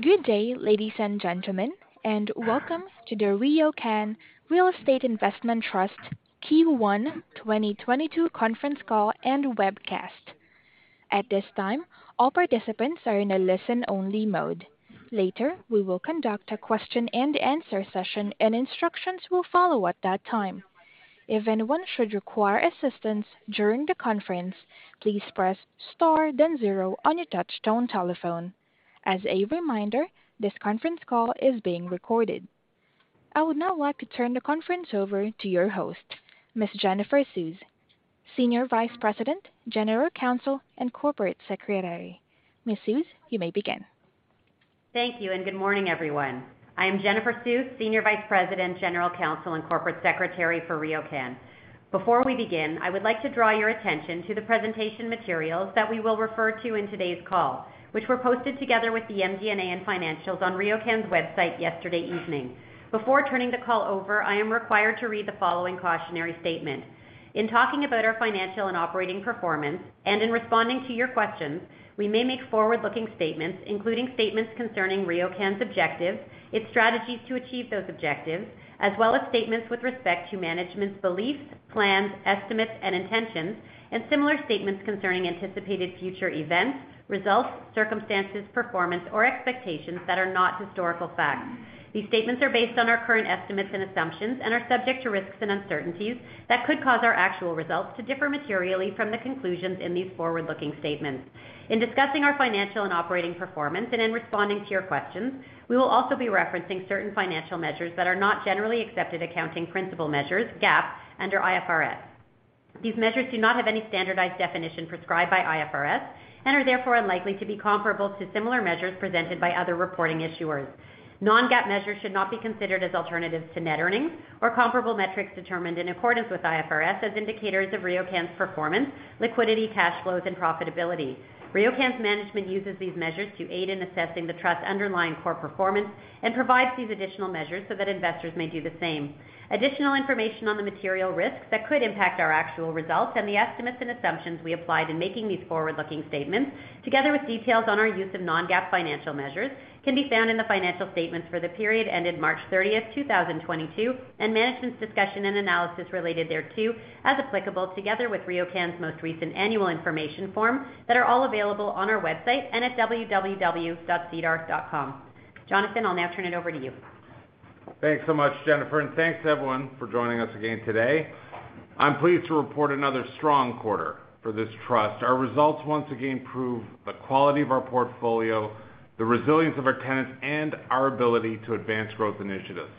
Good day, ladies and gentlemen, and welcome to the RioCan Real Estate Investment Trust Q1 2022 conference call and webcast. At this time, all participants are in a listen-only mode. Later, we will conduct a question and answer session, and instructions will follow at that time. If anyone should require assistance during the conference, please press Star then zero on your touchtone telephone. As a reminder, this conference call is being recorded. I would now like to turn the conference over to your host, Ms. Jennifer Suess, Senior Vice President, General Counsel, and Corporate Secretary. Ms. Suess, you may begin. Thank you, and good morning, everyone. I am Jennifer Suess, Senior Vice President, General Counsel, and Corporate Secretary for RioCan. Before we begin, I would like to draw your attention to the presentation materials that we will refer to in today's call, which were posted together with the MD&A and financials on RioCan's website yesterday evening. Before turning the call over, I am required to read the following cautionary statement. In talking about our financial and operating performance, and in responding to your questions, we may make forward-looking statements, including statements concerning RioCan's objectives, its strategies to achieve those objectives, as well as statements with respect to management's beliefs, plans, estimates, and intentions, and similar statements concerning anticipated future events, results, circumstances, performance, or expectations that are not historical facts. These statements are based on our current estimates and assumptions and are subject to risks and uncertainties that could cause our actual results to differ materially from the conclusions in these forward-looking statements. In discussing our financial and operating performance and in responding to your questions, we will also be referencing certain financial measures that are not generally accepted accounting principles measures, GAAP, under IFRS. These measures do not have any standardized definition prescribed by IFRS and are therefore unlikely to be comparable to similar measures presented by other reporting issuers. Non-GAAP measures should not be considered as alternatives to net earnings or comparable metrics determined in accordance with IFRS as indicators of RioCan's performance, liquidity, cash flows, and profitability. RioCan's management uses these measures to aid in assessing the trust's underlying core performance and provides these additional measures so that investors may do the same. Additional information on the material risks that could impact our actual results and the estimates and assumptions we applied in making these forward-looking statements, together with details on our use of non-GAAP financial measures, can be found in the financial statements for the period ended March 30th, two thousand and twenty-two, and management's discussion and analysis related thereto, as applicable, together with RioCan's most recent annual information form that are all available on our website and at www.sedar.com. Jonathan, I'll now turn it over to you. Thanks so much, Jennifer, and thanks everyone for joining us again today. I'm pleased to report another strong quarter for this trust. Our results once again prove the quality of our portfolio, the resilience of our tenants, and our ability to advance growth initiatives.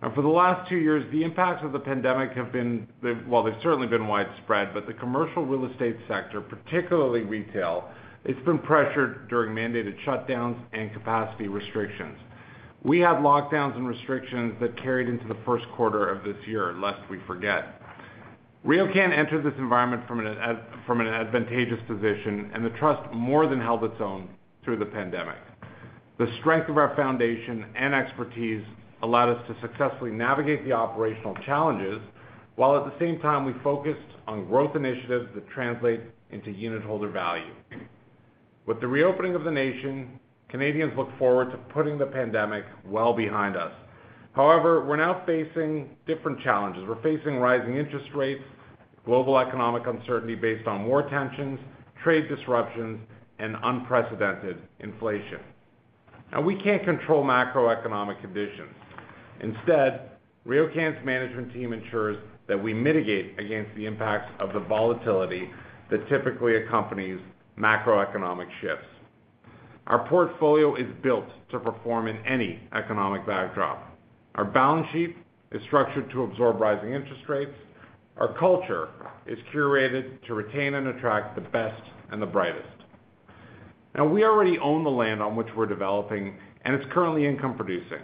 Now, for the last two years, the impacts of the pandemic have been. Well, they've certainly been widespread, but the commercial real estate sector, particularly retail, it's been pressured during mandated shutdowns and capacity restrictions. We have lockdowns and restrictions that carried into the first quarter of this year, lest we forget. RioCan entered this environment from an advantageous position, and the trust more than held its own through the pandemic. The strength of our foundation and expertise allowed us to successfully navigate the operational challenges, while at the same time we focused on growth initiatives that translate into unitholder value. With the reopening of the nation, Canadians look forward to putting the pandemic well behind us. However, we're now facing different challenges. We're facing rising interest rates, global economic uncertainty based on war tensions, trade disruptions, and unprecedented inflation. Now, we can't control macroeconomic conditions. Instead, RioCan's management team ensures that we mitigate against the impacts of the volatility that typically accompanies macroeconomic shifts. Our portfolio is built to perform in any economic backdrop. Our balance sheet is structured to absorb rising interest rates. Our culture is curated to retain and attract the best and the brightest. Now, we already own the land on which we're developing, and it's currently income producing.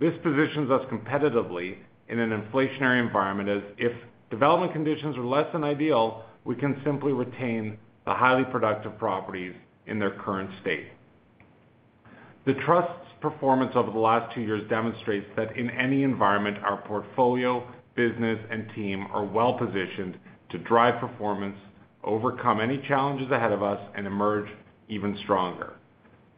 This positions us competitively in an inflationary environment. As if development conditions are less than ideal, we can simply retain the highly productive properties in their current state. The trust's performance over the last two years demonstrates that in any environment, our portfolio, business, and team are well-positioned to drive performance, overcome any challenges ahead of us, and emerge even stronger.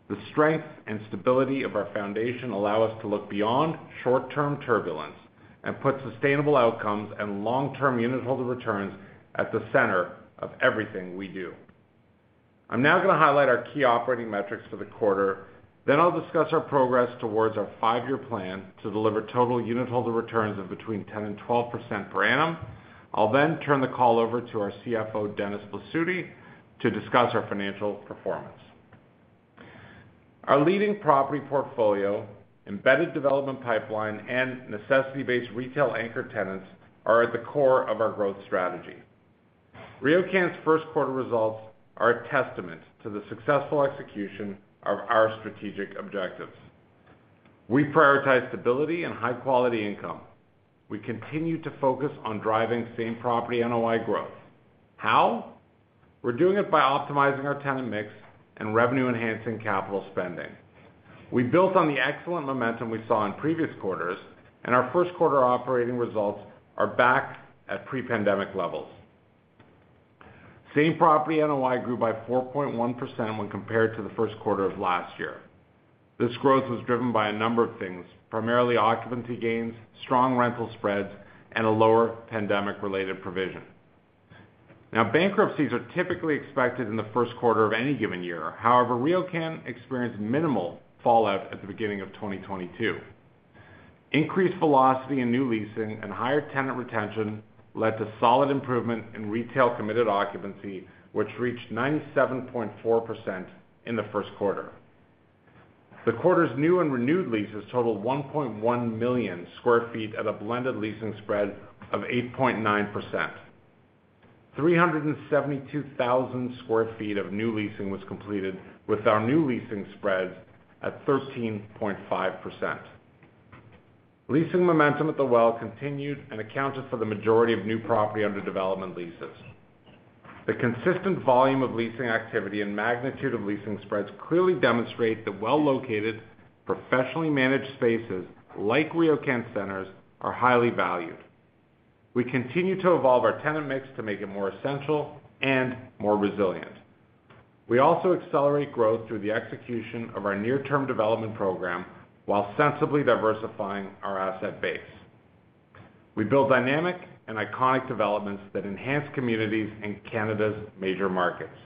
The strength and stability of our foundation allow us to look beyond short-term turbulence and put sustainable outcomes and long-term unitholder returns at the center of everything we do. I'm now gonna highlight our key operating metrics for the quarter, then I'll discuss our progress towards our five-year plan to deliver total unitholder returns of between 10% and 12% per annum. I'll then turn the call over to our CFO, Dennis Blasutti, to discuss our financial performance. Our leading property portfolio, embedded development pipeline, and necessity-based retail anchor tenants are at the core of our growth strategy. RioCan's first quarter results are a testament to the successful execution of our strategic objectives. We prioritize stability and high-quality income. We continue to focus on driving same property NOI growth. How? We're doing it by optimizing our tenant mix and revenue-enhancing capital spending. We built on the excellent momentum we saw in previous quarters, and our first quarter operating results are back at pre-pandemic levels. Same property NOI grew by 4.1% when compared to the first quarter of last year. This growth was driven by a number of things, primarily occupancy gains, strong rental spreads, and a lower pandemic-related provision. Now bankruptcies are typically expected in the first quarter of any given year. However, RioCan experienced minimal fallout at the beginning of 2022. Increased velocity in new leasing and higher tenant retention led to solid improvement in retail committed occupancy, which reached 97.4% in the first quarter. The quarter's new and renewed leases totaled 1.1 million sq ft at a blended leasing spread of 8.9%. 372,000 sq ft of new leasing was completed with our new leasing spreads at 13.5%. Leasing momentum at The Well continued and accounted for the majority of new property under development leases. The consistent volume of leasing activity and magnitude of leasing spreads clearly demonstrate that well-located, professionally managed spaces like RioCan Centers are highly valued. We continue to evolve our tenant mix to make it more essential and more resilient. We also accelerate growth through the execution of our near-term development program while sensibly diversifying our asset base. We build dynamic and iconic developments that enhance communities in Canada's major markets.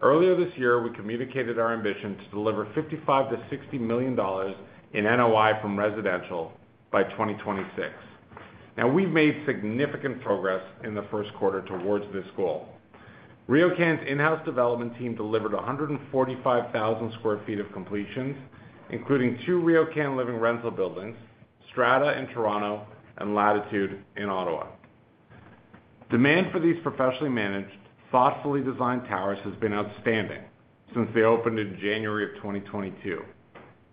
Earlier this year, we communicated our ambition to deliver 55 million-60 million dollars in NOI from residential by 2026. We've made significant progress in the first quarter towards this goal. RioCan's in-house development team delivered 145,000 sq ft of completions, including two RioCan Living rental buildings, Strata in Toronto and Latitude in Ottawa. Demand for these professionally managed, thoughtfully designed towers has been outstanding since they opened in January 2022.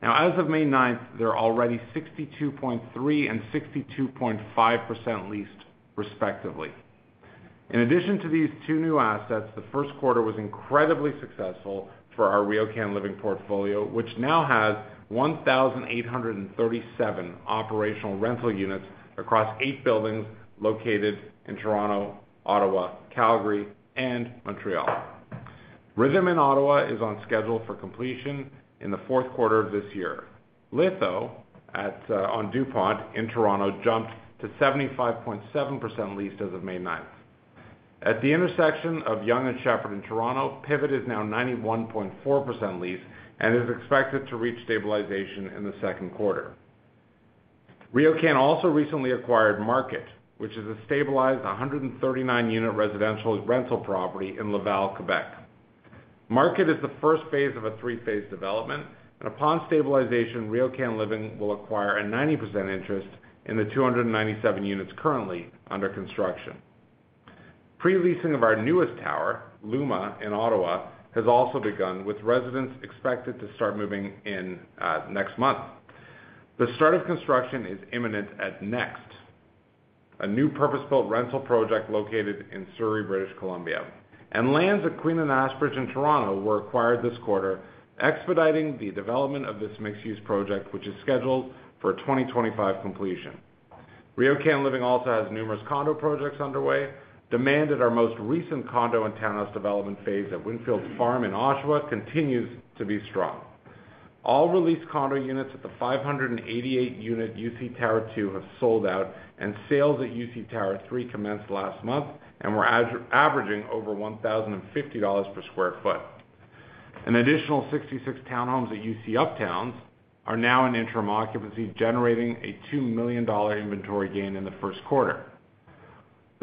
As of May 9, they're already 62.3% and 62.5% leased respectively. In addition to these two new assets, the first quarter was incredibly successful for our RioCan Living portfolio, which now has 1,837 operational rental units across 8 buildings located in Toronto, Ottawa, Calgary, and Montreal. Rhythm in Ottawa is on schedule for completion in the fourth quarter of this year. Litho on Dupont in Toronto jumped to 75.7% leased as of May ninth. At the intersection of Yonge and Sheppard in Toronto, Pivot is now 91.4% leased and is expected to reach stabilization in the second quarter. RioCan also recently acquired Market, which is a stabilized 139-unit residential rental property in Laval, Quebec. Market is the first phase of a three-phase development. Upon stabilization, RioCan Living will acquire a 90% interest in the 297 units currently under construction. Pre-leasing of our newest tower, Luma in Ottawa, has also begun with residents expected to start moving in next month. The start of construction is imminent at Next, a new purpose-built rental project located in Surrey, British Columbia. Lands at Queen and Ashbridge in Toronto were acquired this quarter, expediting the development of this mixed-use project, which is scheduled for 2025 completion. RioCan Living also has numerous condo projects underway. Demand at our most recent condo and townhouse development phase at Winfield Farm in Oshawa continues to be strong. All released condo units at the 588-unit UC Tower 2 have sold out, and sales at UC Tower 3 commenced last month and were averaging over 1,050 dollars per sq ft. An additional 66 townhomes at UC Uptown are now in interim occupancy, generating a 2 million dollar inventory gain in the first quarter.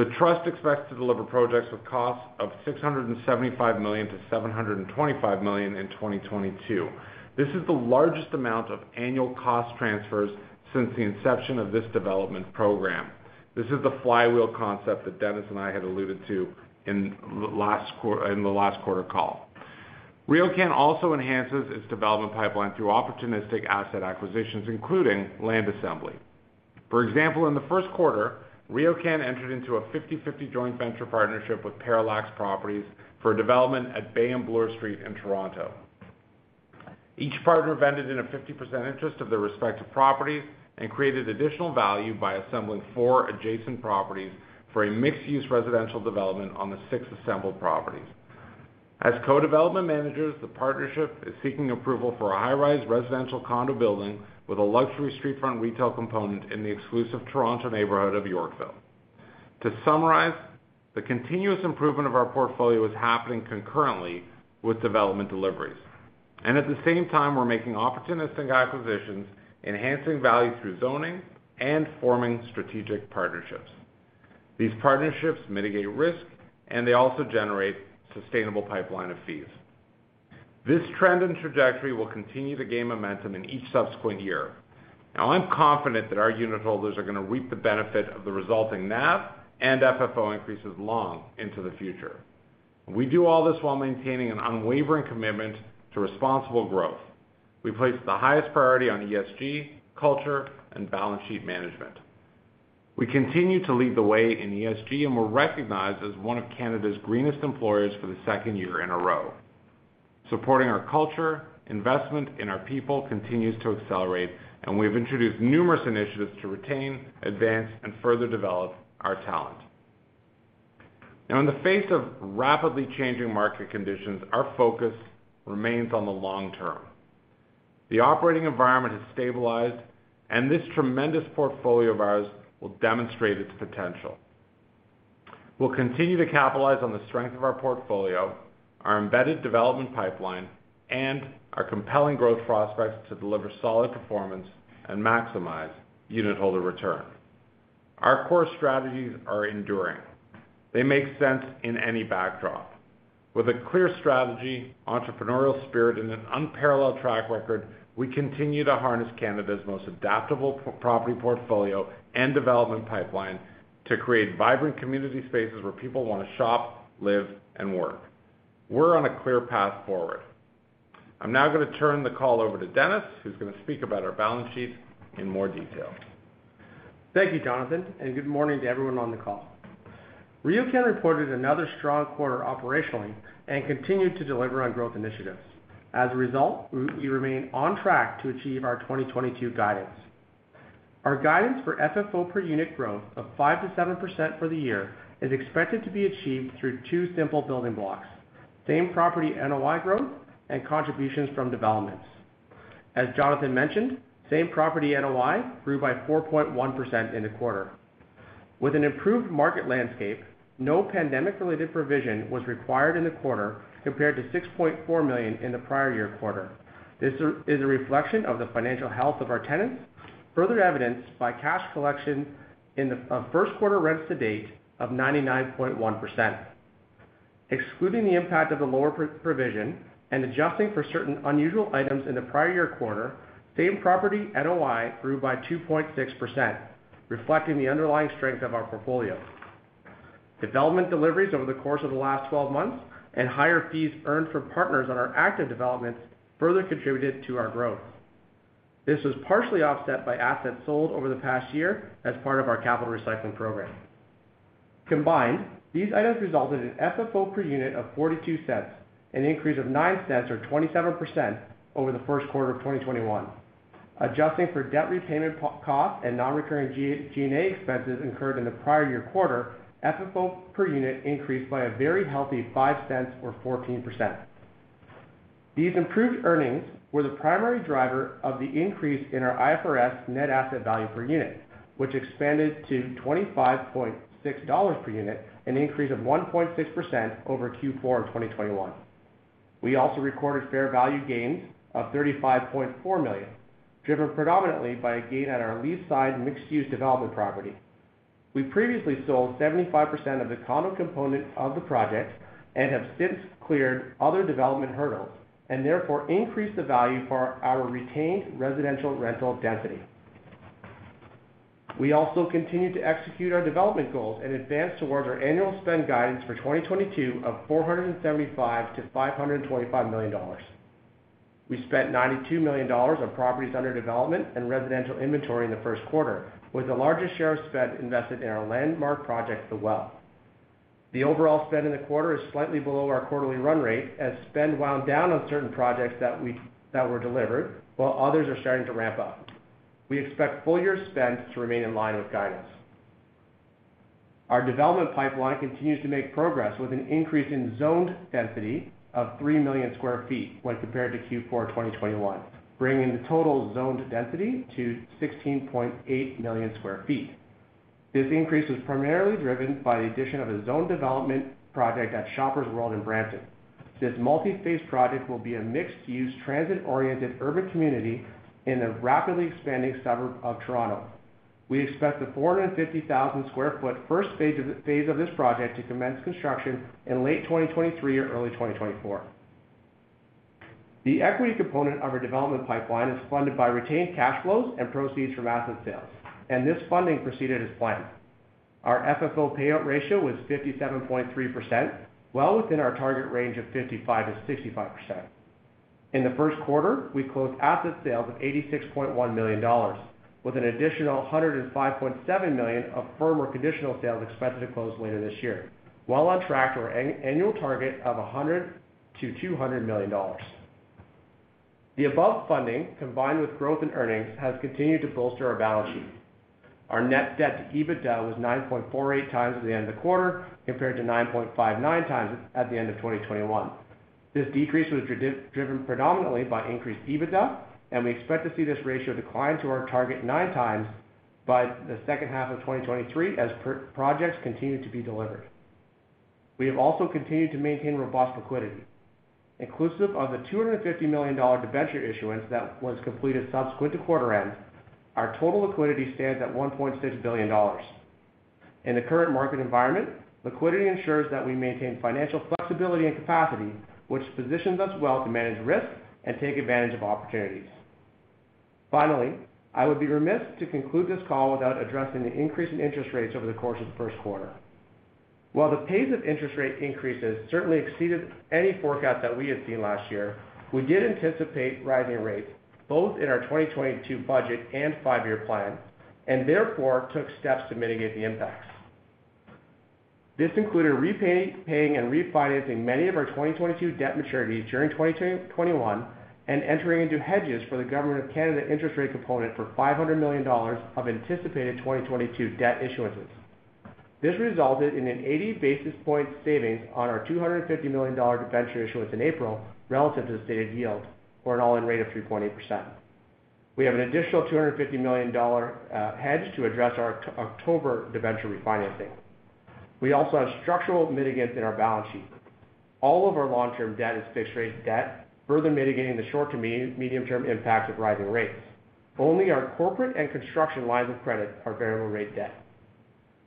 The Trust expects to deliver projects with costs of 675 million-725 million in 2022. This is the largest amount of annual cost transfers since the inception of this development program. This is the flywheel concept that Dennis and I had alluded to in the last quarter call. RioCan also enhances its development pipeline through opportunistic asset acquisitions, including land assembly. For example, in the first quarter, RioCan entered into a 50/50 joint venture partnership with Parallax Properties for development at Bay and Bloor Street in Toronto. Each partner vended in a 50% interest of their respective properties and created additional value by assembling four adjacent properties for a mixed-use residential development on the six assembled properties. As co-development managers, the partnership is seeking approval for a high-rise residential condo building with a luxury street front retail component in the exclusive Toronto neighborhood of Yorkville. To summarize, the continuous improvement of our portfolio is happening concurrently with development deliveries, and at the same time, we're making opportunistic acquisitions, enhancing value through zoning, and forming strategic partnerships. These partnerships mitigate risk, and they also generate sustainable pipeline of fees. This trend and trajectory will continue to gain momentum in each subsequent year. Now I'm confident that our unitholders are gonna reap the benefit of the resulting NAV and FFO increases long into the future. We do all this while maintaining an unwavering commitment to responsible growth. We place the highest priority on ESG, culture, and balance sheet management. We continue to lead the way in ESG, and we're recognized as one of Canada's greenest employers for the second year in a row. Supporting our culture, investment in our people continues to accelerate, and we have introduced numerous initiatives to retain, advance, and further develop our talent. Now in the face of rapidly changing market conditions, our focus remains on the long term. The operating environment has stabilized, and this tremendous portfolio of ours will demonstrate its potential. We'll continue to capitalize on the strength of our portfolio, our embedded development pipeline, and our compelling growth prospects to deliver solid performance and maximize unitholder return. Our core strategies are enduring. They make sense in any backdrop. With a clear strategy, entrepreneurial spirit, and an unparalleled track record, we continue to harness Canada's most adaptable property portfolio and development pipeline to create vibrant community spaces where people wanna shop, live, and work. We're on a clear path forward. I'm now gonna turn the call over to Dennis, who's gonna speak about our balance sheet in more detail. Thank you, Jonathan, and good morning to everyone on the call. RioCan reported another strong quarter operationally and continued to deliver on growth initiatives. As a result, we remain on track to achieve our 2022 guidance. Our guidance for FFO per unit growth of 5%-7% for the year is expected to be achieved through two simple building blocks, same property NOI growth and contributions from developments. As Jonathan mentioned, same property NOI grew by 4.1% in the quarter. With an improved market landscape, no pandemic-related provision was required in the quarter compared to 6.4 million in the prior year quarter. This is a reflection of the financial health of our tenants, further evidenced by cash collection in the first quarter rents to date of 99.1%. Excluding the impact of the lower provision and adjusting for certain unusual items in the prior year quarter, same-property NOI grew by 2.6%, reflecting the underlying strength of our portfolio. Development deliveries over the course of the last 12 months and higher fees earned from partners on our active developments further contributed to our growth. This was partially offset by assets sold over the past year as part of our capital recycling program. Combined, these items resulted in FFO per unit of 0.42, an increase of 0.09 or 27% over the first quarter of 2021. Adjusting for debt repayment cost and non-recurring G&A expenses incurred in the prior year quarter, FFO per unit increased by a very healthy 0.05 or 14%. These improved earnings were the primary driver of the increase in our IFRS net asset value per unit, which expanded to 25.6 dollars per unit, an increase of 1.6% over Q4 of 2021. We also recorded fair value gains of 35.4 million, driven predominantly by a gain at our Leaside mixed-use development property. We previously sold 75% of the condo component of the project and have since cleared other development hurdles, and therefore increased the value for our retained residential rental density. We also continued to execute our development goals and advance towards our annual spend guidance for 2022 of 475 million-525 million dollars. We spent 92 million dollars on properties under development and residential inventory in the first quarter, with the largest share of spend invested in our landmark project, The Well. The overall spend in the quarter is slightly below our quarterly run rate as spend wound down on certain projects that were delivered, while others are starting to ramp up. We expect full year spend to remain in line with guidance. Our development pipeline continues to make progress with an increase in zoned density of 3 million sq ft when compared to Q4 2021, bringing the total zoned density to 16.8 million sq ft. This increase was primarily driven by the addition of a zoned development project at Shoppers World in Brampton. This multi-phase project will be a mixed-use, transit-oriented urban community in a rapidly expanding suburb of Toronto. We expect the 450,000 sq ft first phase of this project to commence construction in late 2023 or early 2024. The equity component of our development pipeline is funded by retained cash flows and proceeds from asset sales, and this funding proceeded as planned. Our FFO payout ratio was 57.3%, well within our target range of 55%-65%. In the first quarter, we closed asset sales of 86.1 million dollars, with an additional 105.7 million of firm or conditional sales expected to close later this year, well on track to our annual target of 100 million-200 million dollars. The above funding, combined with growth in earnings, has continued to bolster our balance sheet. Our net debt to EBITDA was 9.48 times at the end of the quarter, compared to 9.59 times at the end of 2021. This decrease was driven predominantly by increased EBITDA, and we expect to see this ratio decline to our target 9 times by the second half of 2023 as projects continue to be delivered. We have also continued to maintain robust liquidity. Inclusive of the 250 million dollar debenture issuance that was completed subsequent to quarter end, our total liquidity stands at 1.6 billion dollars. In the current market environment, liquidity ensures that we maintain financial flexibility and capacity, which positions us well to manage risk and take advantage of opportunities. Finally, I would be remiss to conclude this call without addressing the increase in interest rates over the course of the first quarter. While the pace of interest rate increases certainly exceeded any forecast that we had seen last year, we did anticipate rising rates both in our 2022 budget and five-year plan, and therefore took steps to mitigate the impacts. This included repaying, paying and refinancing many of our 2022 debt maturities during 2021, and entering into hedges for the Government of Canada interest rate component for 500 million dollars of anticipated 2022 debt issuances. This resulted in an 80 basis point savings on our 250 million dollar debenture issuance in April relative to the stated yield, for an all-in rate of 3.8%. We have an additional 250 million-dollar hedge to address our October debenture refinancing. We also have structural mitigants in our balance sheet. All of our long-term debt is fixed-rate debt, further mitigating the short- to medium-term impacts of rising rates. Only our corporate and construction lines of credit are variable rate debt.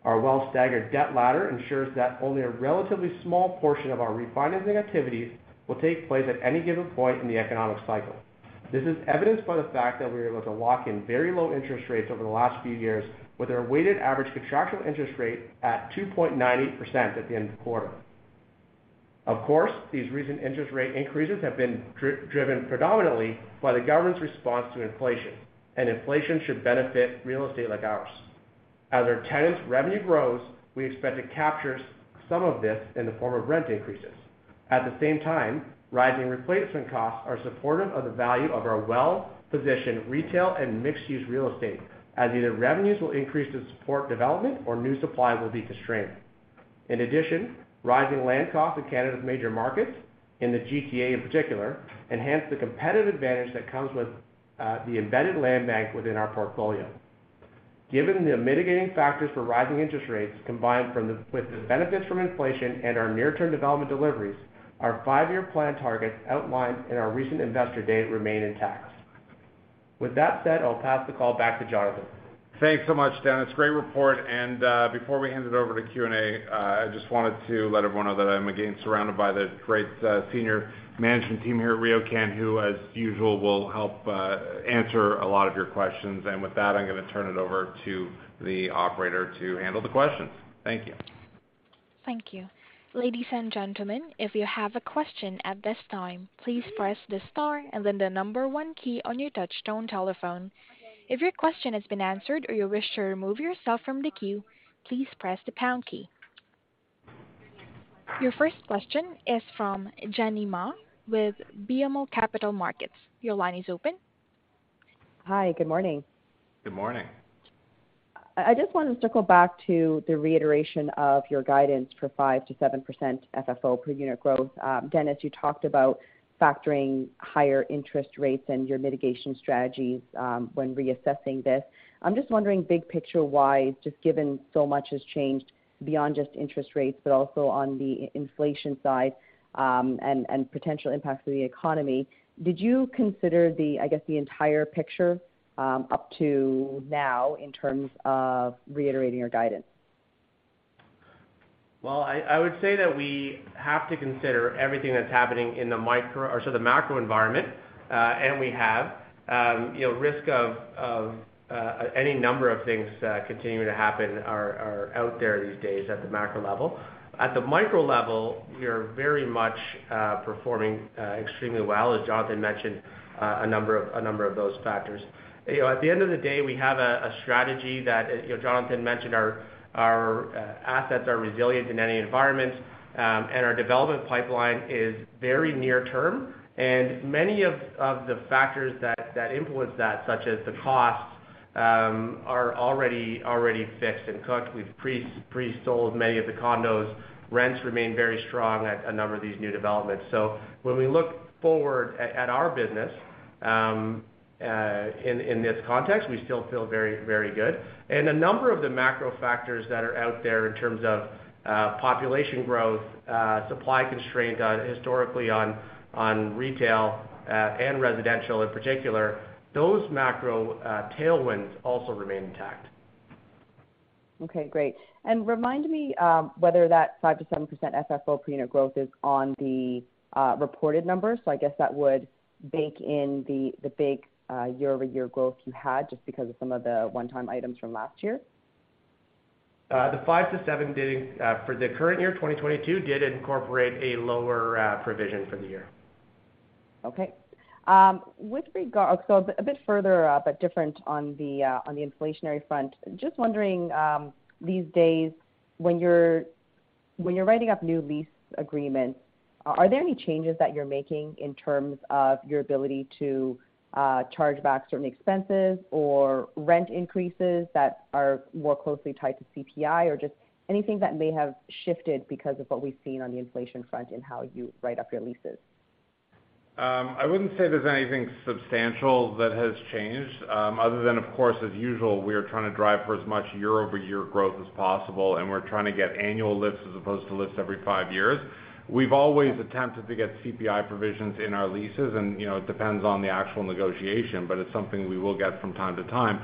Our well staggered debt ladder ensures that only a relatively small portion of our refinancing activities will take place at any given point in the economic cycle. This is evidenced by the fact that we were able to lock in very low interest rates over the last few years with our weighted average contractual interest rate at 2.98% at the end of the quarter. Of course, these recent interest rate increases have been driven predominantly by the government's response to inflation, and inflation should benefit real estate like ours. As our tenants' revenue grows, we expect to capture some of this in the form of rent increases. At the same time, rising replacement costs are supportive of the value of our well-positioned retail and mixed use real estate, as either revenues will increase to support development or new supply will be constrained. In addition, rising land costs in Canada's major markets, in the GTA in particular, enhance the competitive advantage that comes with the embedded land bank within our portfolio. Given the mitigating factors for rising interest rates, combined with the benefits from inflation and our near-term development deliveries, our five-year plan targets outlined in our recent investor day remain intact. With that said, I'll pass the call back to Jonathan. Thanks so much, Dennis. Great report. Before we hand it over to Q&A, I just wanted to let everyone know that I'm again surrounded by the great senior management team here at RioCan, who, as usual, will help answer a lot of your questions. With that, I'm gonna turn it over to the operator to handle the questions. Thank you. Thank you. Ladies and gentlemen, if you have a question at this time, please press the star and then the number one key on your touchtone telephone. If your question has been answered or you wish to remove yourself from the queue, please press the pound key. Your first question is from Jenny Ma with BMO Capital Markets. Your line is open. Hi, good morning. Good morning. I just wanted to go back to the reiteration of your guidance for 5%-7% FFO per unit growth. Dennis, you talked about factoring higher interest rates and your mitigation strategies, when reassessing this. I'm just wondering, big picture wise, just given so much has changed beyond just interest rates, but also on the inflation side, and potential impacts to the economy, did you consider the, I guess, the entire picture, up to now in terms of reiterating your guidance? I would say that we have to consider everything that's happening in the macro environment, and we have. You know, risk of any number of things continuing to happen are out there these days at the macro level. At the micro level, we are very much performing extremely well, as Jonathan mentioned, a number of those factors. You know, at the end of the day, we have a strategy that, you know, Jonathan mentioned our assets are resilient in any environment, and our development pipeline is very near term. Many of the factors that influence that, such as the costs, are already fixed and cooked. We've pre-sold many of the condos. Rents remain very strong at a number of these new developments. When we look forward at our business, in this context, we still feel very good. A number of the macro factors that are out there in terms of population growth, supply constraint, historically on retail and residential in particular, those macro tailwinds also remain intact. Okay, great. Remind me whether that 5%-7% FFO per unit growth is on the reported numbers. I guess that would bake in the big year-over-year growth you had just because of some of the one-time items from last year. The 5-7 for the current year, 2022, did incorporate a lower provision for the year. Okay. A bit further, but different on the inflationary front. Just wondering, these days when you're writing up new lease agreements, are there any changes that you're making in terms of your ability to charge back certain expenses or rent increases that are more closely tied to CPI? Or just anything that may have shifted because of what we've seen on the inflation front and how you write up your leases. I wouldn't say there's anything substantial that has changed, other than, of course, as usual, we are trying to drive for as much year-over-year growth as possible, and we're trying to get annual lifts as opposed to lifts every five years. We've always attempted to get CPI provisions in our leases and, you know, it depends on the actual negotiation, but it's something we will get from time to time.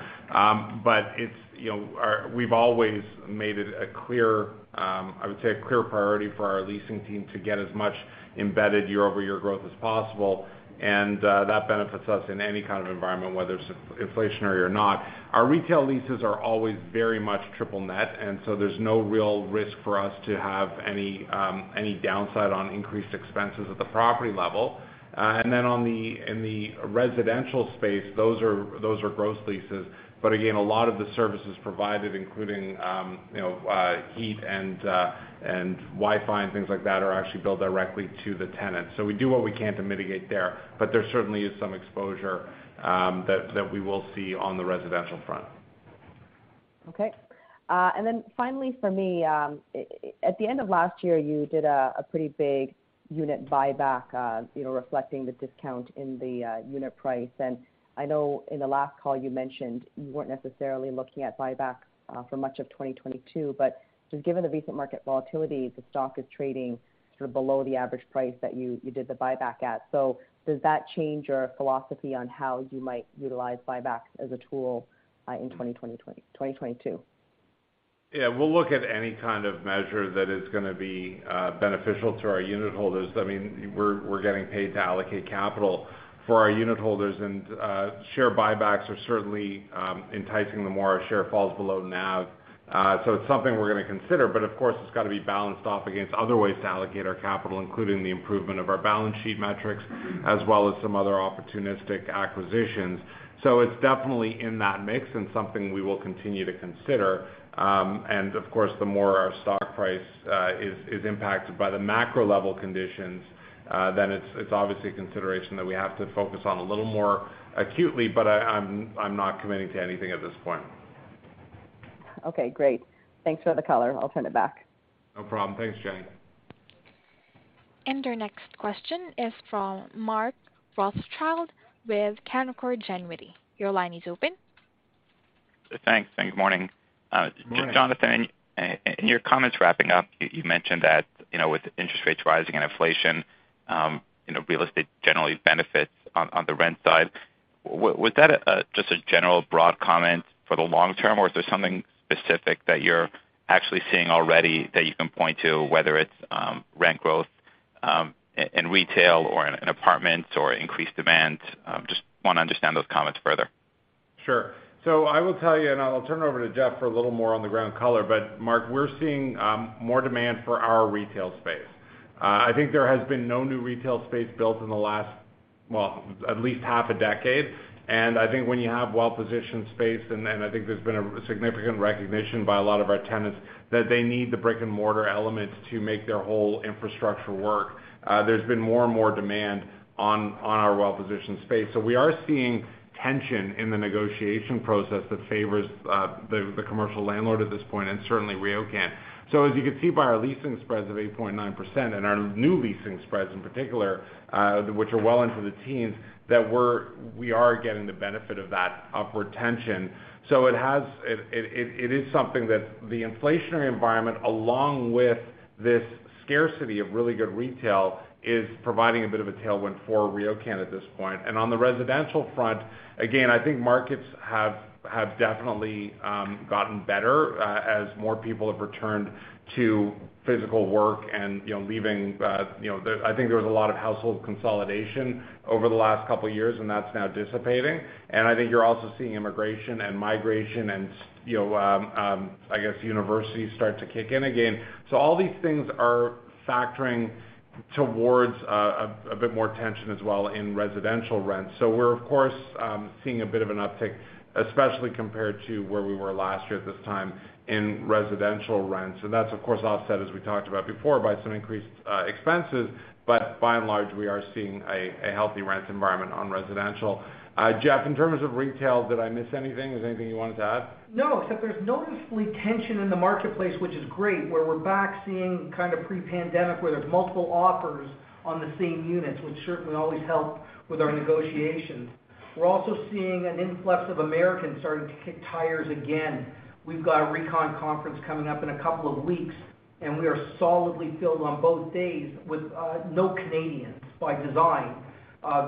But it's, you know, we've always made it a clear, I would say a clear priority for our leasing team to get as much embedded year-over-year growth as possible. That benefits us in any kind of environment, whether it's inflationary or not. Our retail leases are always very much triple net, and so there's no real risk for us to have any downside on increased expenses at the property level. In the residential space, those are gross leases. Again, a lot of the services provided, including, you know, heat and Wi-Fi and things like that, are actually billed directly to the tenant. We do what we can to mitigate there. There certainly is some exposure, that we will see on the residential front. Okay. Finally for me, at the end of last year, you did a pretty big unit buyback, you know, reflecting the discount in the unit price. I know in the last call you mentioned you weren't necessarily looking at buyback for much of 2022, but just given the recent market volatility, the stock is trading sort of below the average price that you did the buyback at. Does that change your philosophy on how you might utilize buybacks as a tool in 2022? Yeah. We'll look at any kind of measure that is gonna be beneficial to our unit holders. I mean, we're getting paid to allocate capital for our unit holders, and share buybacks are certainly enticing the more our share falls below NAV. It's something we're gonna consider. Of course, it's gotta be balanced off against other ways to allocate our capital, including the improvement of our balance sheet metrics, as well as some other opportunistic acquisitions. It's definitely in that mix and something we will continue to consider. Of course, the more our stock price is impacted by the macro level conditions, it's obviously a consideration that we have to focus on a little more acutely, but I'm not committing to anything at this point. Okay, great. Thanks for the color. I'll turn it back. No problem. Thanks Jenny. Our next question is from Mark Rothschild with Canaccord Genuity. Your line is open. Thanks, and good morning. Morning. Jonathan, in your comments wrapping up, you mentioned that, you know, with interest rates rising and inflation, you know, real estate generally benefits on the rent side. Was that just a general broad comment for the long term, or is there something specific that you're actually seeing already that you can point to, whether it's rent growth in retail or in apartments or increased demand? Just wanna understand those comments further. I will tell you, and I'll turn it over to Jeff for a little more on-the-ground color, but Mark, we're seeing more demand for our retail space. I think there has been no new retail space built in the last, well, at least half a decade. I think when you have well-positioned space, and then I think there's been a significant recognition by a lot of our tenants that they need the brick-and-mortar elements to make their whole infrastructure work. There's been more and more demand on our well-positioned space. We are seeing tension in the negotiation process that favors the commercial landlord at this point, and certainly RioCan. As you can see by our leasing spreads of 8.9% and our new leasing spreads in particular, which are well into the teens, that we are getting the benefit of that upward tension. It is something that the inflationary environment, along with this scarcity of really good retail, is providing a bit of a tailwind for RioCan at this point. On the residential front, again, I think markets have definitely gotten better as more people have returned to physical work and, you know, leaving, you know. I think there was a lot of household consolidation over the last couple years, and that's now dissipating. I think you're also seeing immigration and migration and, you know, I guess universities start to kick in again. All these things are factoring toward a bit more tension as well in residential rents. We're of course seeing a bit of an uptick, especially compared to where we were last year at this time in residential rents. That's of course offset, as we talked about before, by some increased expenses. By and large, we are seeing a healthy rent environment on residential. Jeff, in terms of retail, did I miss anything? Is there anything you wanted to add? No, except there's noticeable tension in the marketplace, which is great, where we're back seeing kind of pre-pandemic, where there's multiple offers on the same units, which certainly always help with our negotiations. We're also seeing an influx of Americans starting to kick tires again. We've got a RECon conference coming up in a couple of weeks, and we are solidly filled on both days with no Canadians by design.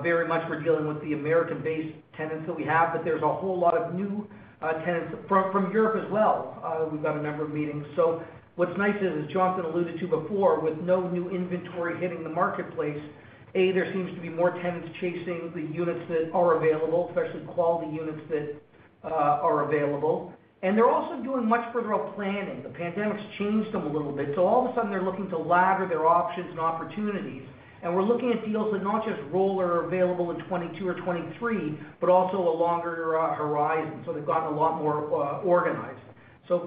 Very much we're dealing with the American-based tenants that we have, but there's a whole lot of new tenants from Europe as well. We've got a number of meetings. What's nice is, as Jonathan alluded to before, with no new inventory hitting the marketplace, A, there seems to be more tenants chasing the units that are available, especially quality units that are available. They're also doing much further-out planning. The pandemic's changed them a little bit, so all of a sudden they're looking to ladder their options and opportunities. We're looking at deals that not just roll or are available in 2022 or 2023, but also a longer horizon. They've gotten a lot more organized.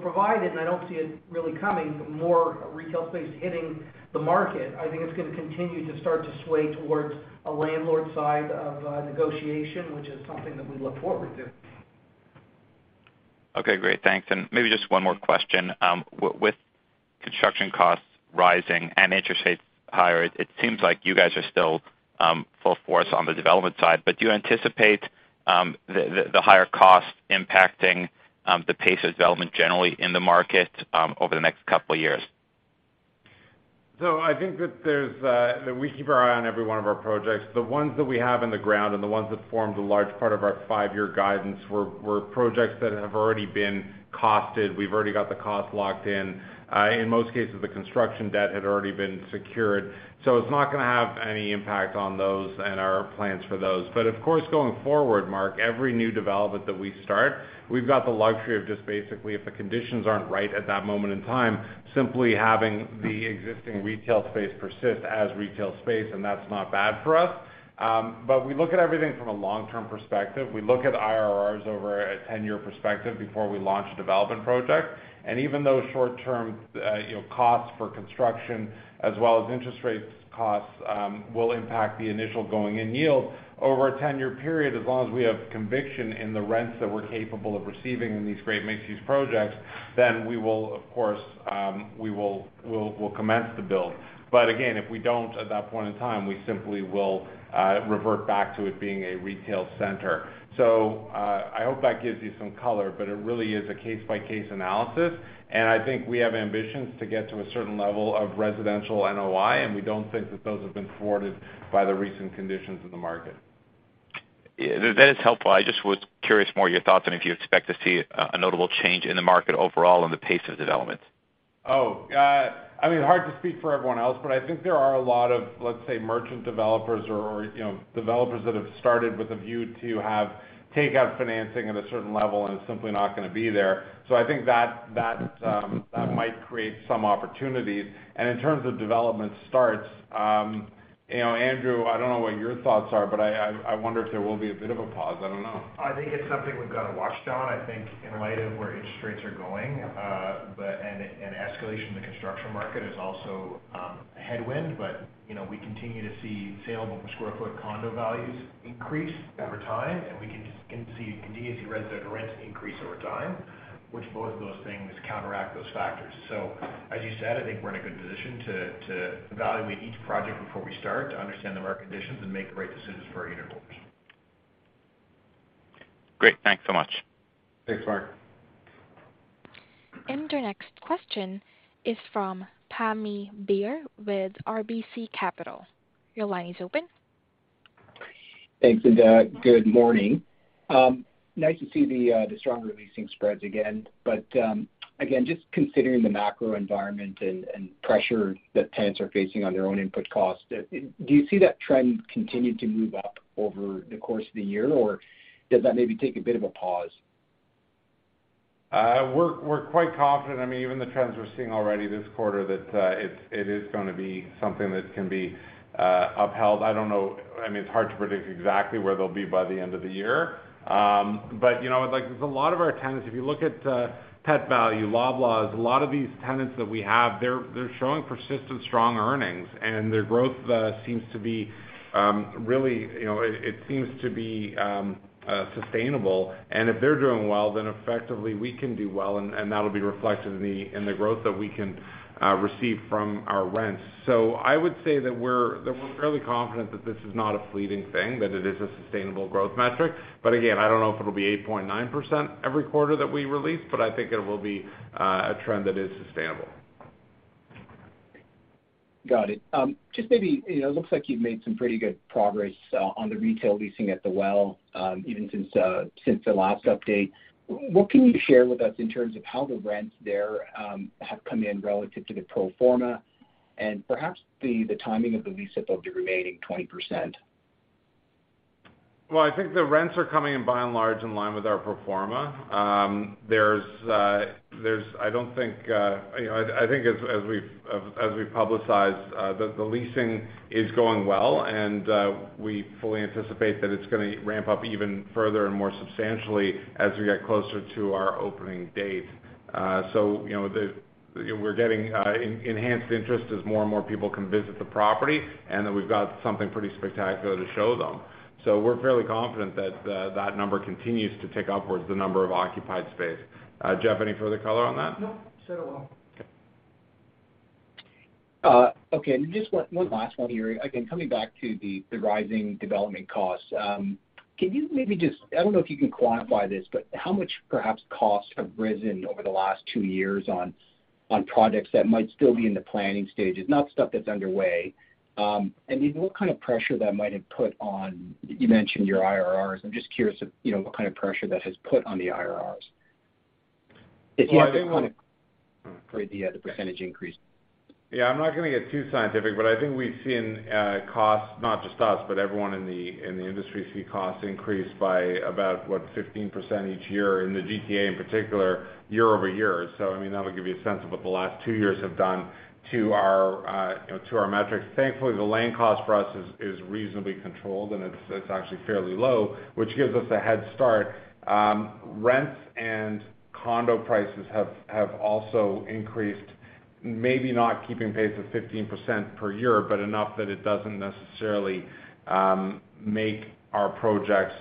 Provided, and I don't see it really coming, but more retail space hitting the market, I think it's gonna continue to start to sway towards a landlord side of negotiation, which is something that we look forward to. Okay, great. Thanks. Maybe just one more question. With construction costs rising and interest rates higher, it seems like you guys are still full force on the development side. Do you anticipate the higher costs impacting the pace of development generally in the market over the next couple of years? I think that we keep our eye on every one of our projects. The ones that we have in the ground and the ones that formed a large part of our five-year guidance were projects that have already been costed. We've already got the cost locked in. In most cases, the construction debt had already been secured. It's not gonna have any impact on those and our plans for those. Of course, going forward, Mark, every new development that we start, we've got the luxury of just basically, if the conditions aren't right at that moment in time, simply having the existing retail space persist as retail space, and that's not bad for us. We look at everything from a long-term perspective. We look at IRRs over a ten-year perspective before we launch a development project. Even those short-term, you know, costs for construction as well as interest rate costs will impact the initial going-in yield over a 10-year period as long as we have conviction in the rents that we're capable of receiving in these great mixed-use projects, then we will, of course, commence the build. Again, if we don't at that point in time, we simply will revert back to it being a retail center. I hope that gives you some color, but it really is a case-by-case analysis. I think we have ambitions to get to a certain level of residential NOI, and we don't think that those have been thwarted by the recent conditions in the market. Yeah. That is helpful. I just was curious more your thoughts on if you expect to see a notable change in the market overall and the pace of developments. I mean, hard to speak for everyone else, but I think there are a lot of, let's say, merchant developers or, you know, developers that have started with a view to have takeout financing at a certain level, and it's simply not gonna be there. So I think that might create some opportunities. In terms of development starts, you know, Andrew, I don't know what your thoughts are, but I wonder if there will be a bit of a pause. I don't know. I think it's something we've got to watch, Don. I think in light of where interest rates are going, but and escalation in the construction market is also headwind. You know, we continue to see saleable per square foot condo values increase over time, and we can easily see residential rents increase over time, which both of those things counteract those factors. As you said, I think we're in a good position to evaluate each project before we start to understand the market conditions and make the right decisions for our unitholders. Great. Thanks so much. Thanks Mark. The next question is from Pammi Bir with RBC Capital. Your line is open. Thanks, good morning. Nice to see the stronger leasing spreads again. Again, just considering the macro environment and pressure that tenants are facing on their own input costs, do you see that trend continue to move up over the course of the year, or does that maybe take a bit of a pause? We're quite confident. I mean, even the trends we're seeing already this quarter that it is gonna be something that can be upheld. I don't know. I mean, it's hard to predict exactly where they'll be by the end of the year. But you know, like, there's a lot of our tenants, if you look at Pet Valu, Loblaws, a lot of these tenants that we have, they're showing persistent strong earnings, and their growth seems to be really, you know, it seems to be sustainable. If they're doing well, then effectively we can do well, and that'll be reflected in the growth that we can receive from our rents. I would say that we're fairly confident that this is not a fleeting thing, that it is a sustainable growth metric. Again, I don't know if it'll be 8.9% every quarter that we release, but I think it will be a trend that is sustainable. Got it. Just maybe, you know, it looks like you've made some pretty good progress on the retail leasing at The Well, even since the last update. What can you share with us in terms of how the rents there have come in relative to the pro forma? Perhaps the timing of the lease-up of the remaining 20%. Well, I think the rents are coming in by and large in line with our pro forma. I don't think you know I think as we publicize the leasing is going well, and we fully anticipate that it's gonna ramp up even further and more substantially as we get closer to our opening date. So, you know, we're getting enhanced interest as more and more people can visit the property, and that we've got something pretty spectacular to show them. So we're fairly confident that the number of occupied space continues to tick upwards. Jeff, any further color on that? No. Said it well. Okay. Okay. Just one last one here. Again, coming back to the rising development costs. Can you maybe just, I don't know if you can quantify this, but how much perhaps costs have risen over the last two years on projects that might still be in the planning stages, not stuff that's underway, and maybe what kind of pressure that might have put on, you mentioned your IRRs. I'm just curious if, you know, what kind of pressure that has put on the IRRs. If you have any kind of Well, I think. For the percentage increase. Yeah, I'm not gonna get too scientific, but I think we've seen costs, not just us, but everyone in the industry see costs increase by about, what, 15% each year in the GTA in particular year over year. I mean, that'll give you a sense of what the last two years have done to our, you know, to our metrics. Thankfully, the land cost for us is reasonably controlled, and it's actually fairly low, which gives us a head start. Rents and condo prices have also increased, maybe not keeping pace with 15% per year, but enough that it doesn't necessarily make our projects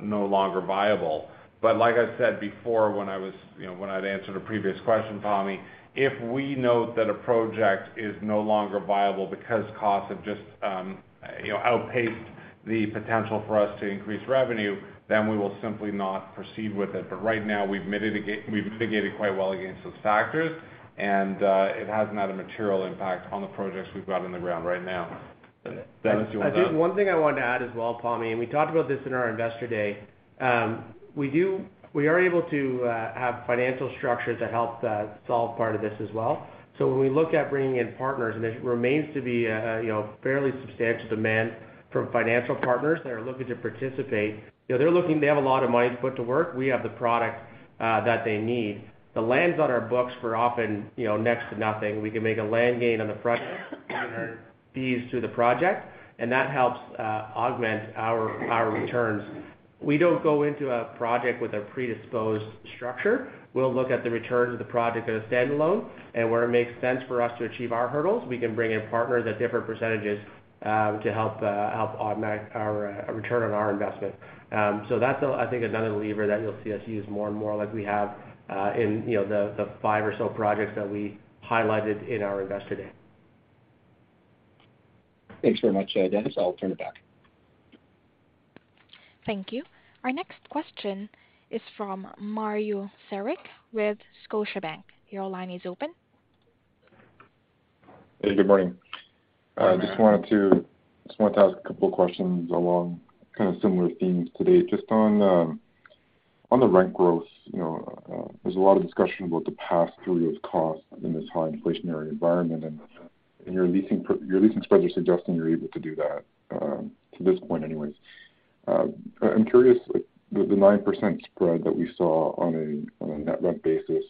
no longer viable. Like I said before, when I was, you know, when I'd answered a previous question, Tommy, if we note that a project is no longer viable because costs have just, you know, outpaced the potential for us to increase revenue, then we will simply not proceed with it. Right now, we've mitigated quite well against those factors, and it hasn't had a material impact on the projects we've got on the ground right now. Dennis, do you wanna- Just one thing I wanted to add as well, Pammi, and we talked about this in our Investor Day. We are able to have financial structure to help solve part of this as well. When we look at bringing in partners, and there remains to be a, you know, fairly substantial demand from financial partners that are looking to participate. You know, they're looking. They have a lot of money to put to work. We have the product that they need. The lands on our books for often, you know, next to nothing. We can make a land gain on the front end, earn our fees through the project, and that helps augment our returns. We don't go into a project with a predisposed structure. We'll look at the returns of the project as a standalone, and where it makes sense for us to achieve our hurdles, we can bring in partners at different percentages to help augment our return on our investment. That's, I think, another lever that you'll see us use more and more like we have in you know the five or so projects that we highlighted in our Investor Day. Thanks very much, Dennis. I'll turn it back. Thank you. Our next question is from Mario Saric with Scotiabank. Your line is open. Hey, good morning. I just wanted to ask a couple of questions along kind of similar themes today. Just on the rent growth, you know, there's a lot of discussion about the pass-through of costs in this high inflationary environment, and your leasing spreads are suggesting you're able to do that to this point anyways. I'm curious, like, the 9% spread that we saw on a net rent basis,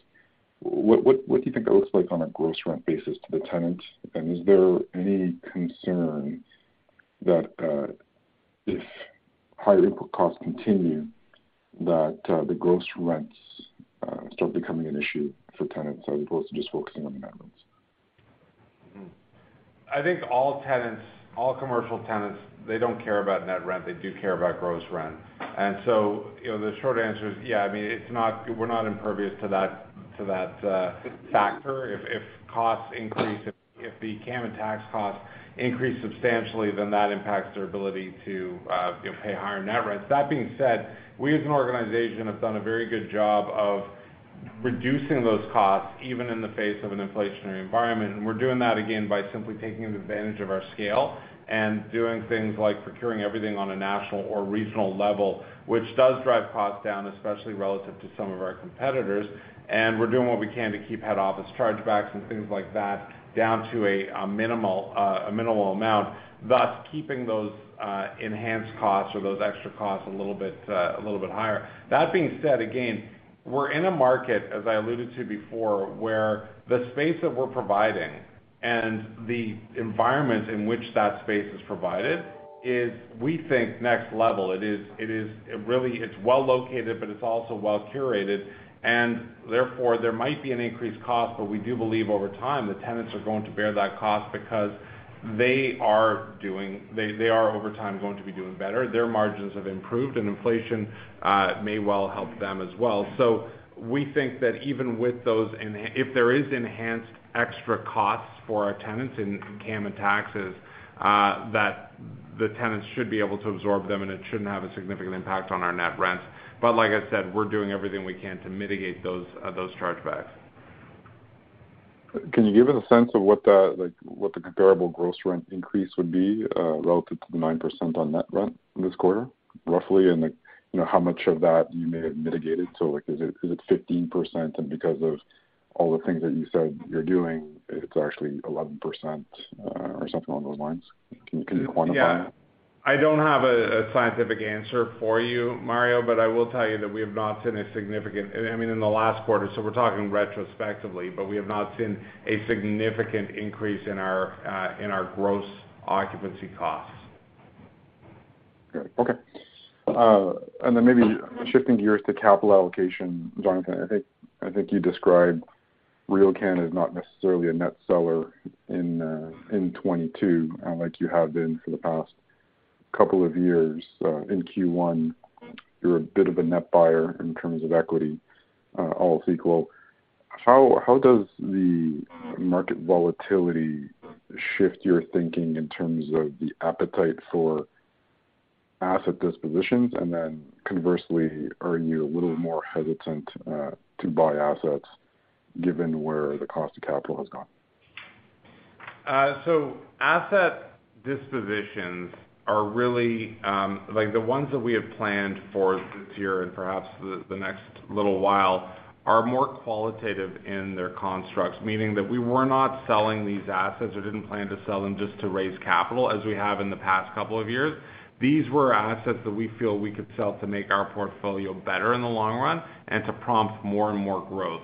what do you think that looks like on a gross rent basis to the tenant? And is there any concern that if higher input costs continue, the gross rents start becoming an issue for tenants as opposed to just focusing on net rents? I think all tenants, all commercial tenants, they don't care about net rent. They do care about gross rent. You know, the short answer is, yeah, I mean, we're not impervious to that factor. If costs increase, if the CAM and tax costs increase substantially, then that impacts their ability to, you know, pay higher net rents. That being said, we as an organization have done a very good job of reducing those costs, even in the face of an inflationary environment. We're doing that again by simply taking advantage of our scale and doing things like procuring everything on a national or regional level, which does drive costs down, especially relative to some of our competitors. We're doing what we can to keep head office chargebacks and things like that down to a minimal amount, thus keeping those enhanced costs or those extra costs a little bit higher. That being said, again, we're in a market, as I alluded to before, where the space that we're providing and the environment in which that space is provided is, we think, next level. It really is well-located, but it's also well-curated. Therefore, there might be an increased cost, but we do believe over time, the tenants are going to bear that cost because they are over time going to be doing better. Their margins have improved and inflation may well help them as well. We think that even with those, if there is enhanced extra costs for our tenants in CAM and taxes, that the tenants should be able to absorb them, and it shouldn't have a significant impact on our net rents. Like I said, we're doing everything we can to mitigate those chargebacks. Can you give us a sense of what the comparable gross rent increase would be, relative to the 9% on net rent this quarter, roughly? And like, you know, how much of that you may have mitigated? So like, is it 15%, and because of all the things that you said you're doing, it's actually 11%, or something along those lines? Can you quantify that? Yeah. I don't have a scientific answer for you, Mario, but I will tell you that we have not seen a significant, I mean, in the last quarter, so we're talking retrospectively, but we have not seen a significant increase in our gross occupancy costs. Okay. Maybe shifting gears to capital allocation, Jonathan, I think you described RioCan as not necessarily a net seller in 2022, like you have been for the past couple of years. In Q1, you're a bit of a net buyer in terms of equity, all else equal. How does the market volatility shift your thinking in terms of the appetite for asset dispositions? Conversely, are you a little more hesitant to buy assets given where the cost of capital has gone? Asset dispositions are really, like the ones that we have planned for this year and perhaps the next little while, are more qualitative in their constructs, meaning that we were not selling these assets or didn't plan to sell them just to raise capital, as we have in the past couple of years. These were assets that we feel we could sell to make our portfolio better in the long run and to prompt more and more growth.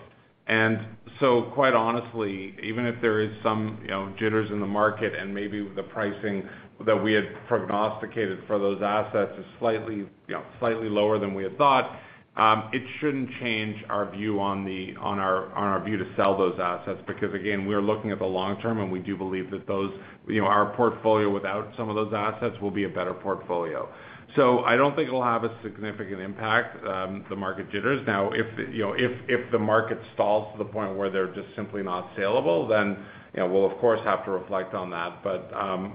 Quite honestly, even if there is some, you know, jitters in the market and maybe the pricing that we had prognosticated for those assets is slightly, you know, slightly lower than we had thought, it shouldn't change our view on our view to sell those assets. Because again, we're looking at the long term, and we do believe that those, you know, our portfolio without some of those assets will be a better portfolio. I don't think it'll have a significant impact, the market jitters. Now, if, you know, if the market stalls to the point where they're just simply not salable, then, you know, we'll of course have to reflect on that.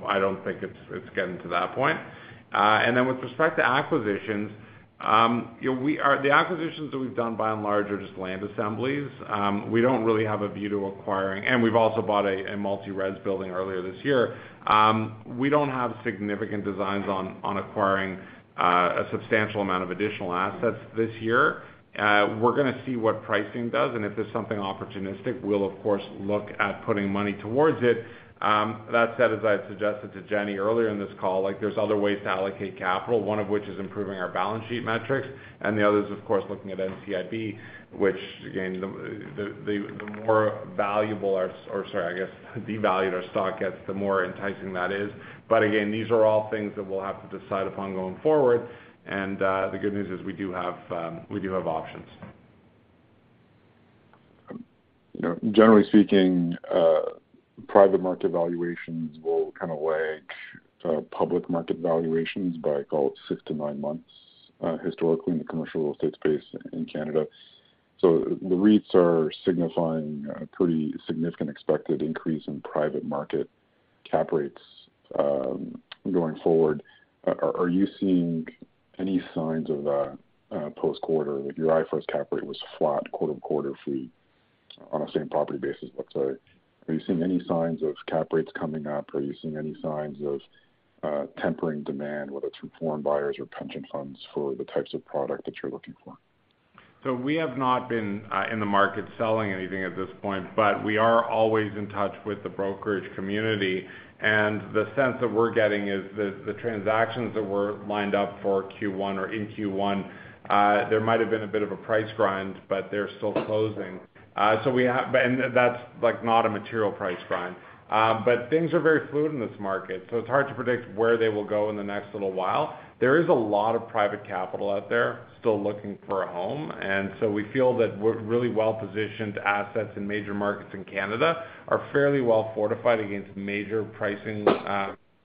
I don't think it's getting to that point. With respect to acquisitions, you know, the acquisitions that we've done by and large are just land assemblies. We don't really have a view to acquiring. We've also bought a multi-res building earlier this year. We don't have significant designs on acquiring a substantial amount of additional assets this year. We're gonna see what pricing does, and if there's something opportunistic, we'll of course look at putting money towards it. That said, as I had suggested to Jenny earlier in this call, like, there's other ways to allocate capital, one of which is improving our balance sheet metrics, and the other is of course looking at NCIB, which again, the more devalued our stock gets, the more enticing that is. Again, these are all things that we'll have to decide upon going forward, and the good news is we do have options. You know, generally speaking, private market valuations will kind of lag public market valuations by, call it, 6-9 months, historically in the commercial real estate space in Canada. The REITs are signifying a pretty significant expected increase in private market cap rates, going forward. Are you seeing any signs of that, post-quarter? Like, your IFRS cap rate was flat quarter-over-quarter FFO on a same property basis, let's say. Are you seeing any signs of cap rates coming up? Are you seeing any signs of tempering demand, whether it's from foreign buyers or pension funds for the types of product that you're looking for? We have not been in the market selling anything at this point, but we are always in touch with the brokerage community. The sense that we're getting is the transactions that were lined up for Q1 or in Q1, there might have been a bit of a price grind, but they're still closing. That's, like, not a material price grind. Things are very fluid in this market, so it's hard to predict where they will go in the next little while. There is a lot of private capital out there still looking for a home, and so we feel that we're really well-positioned assets in major markets in Canada, are fairly well fortified against major pricing,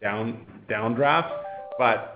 downdrafts.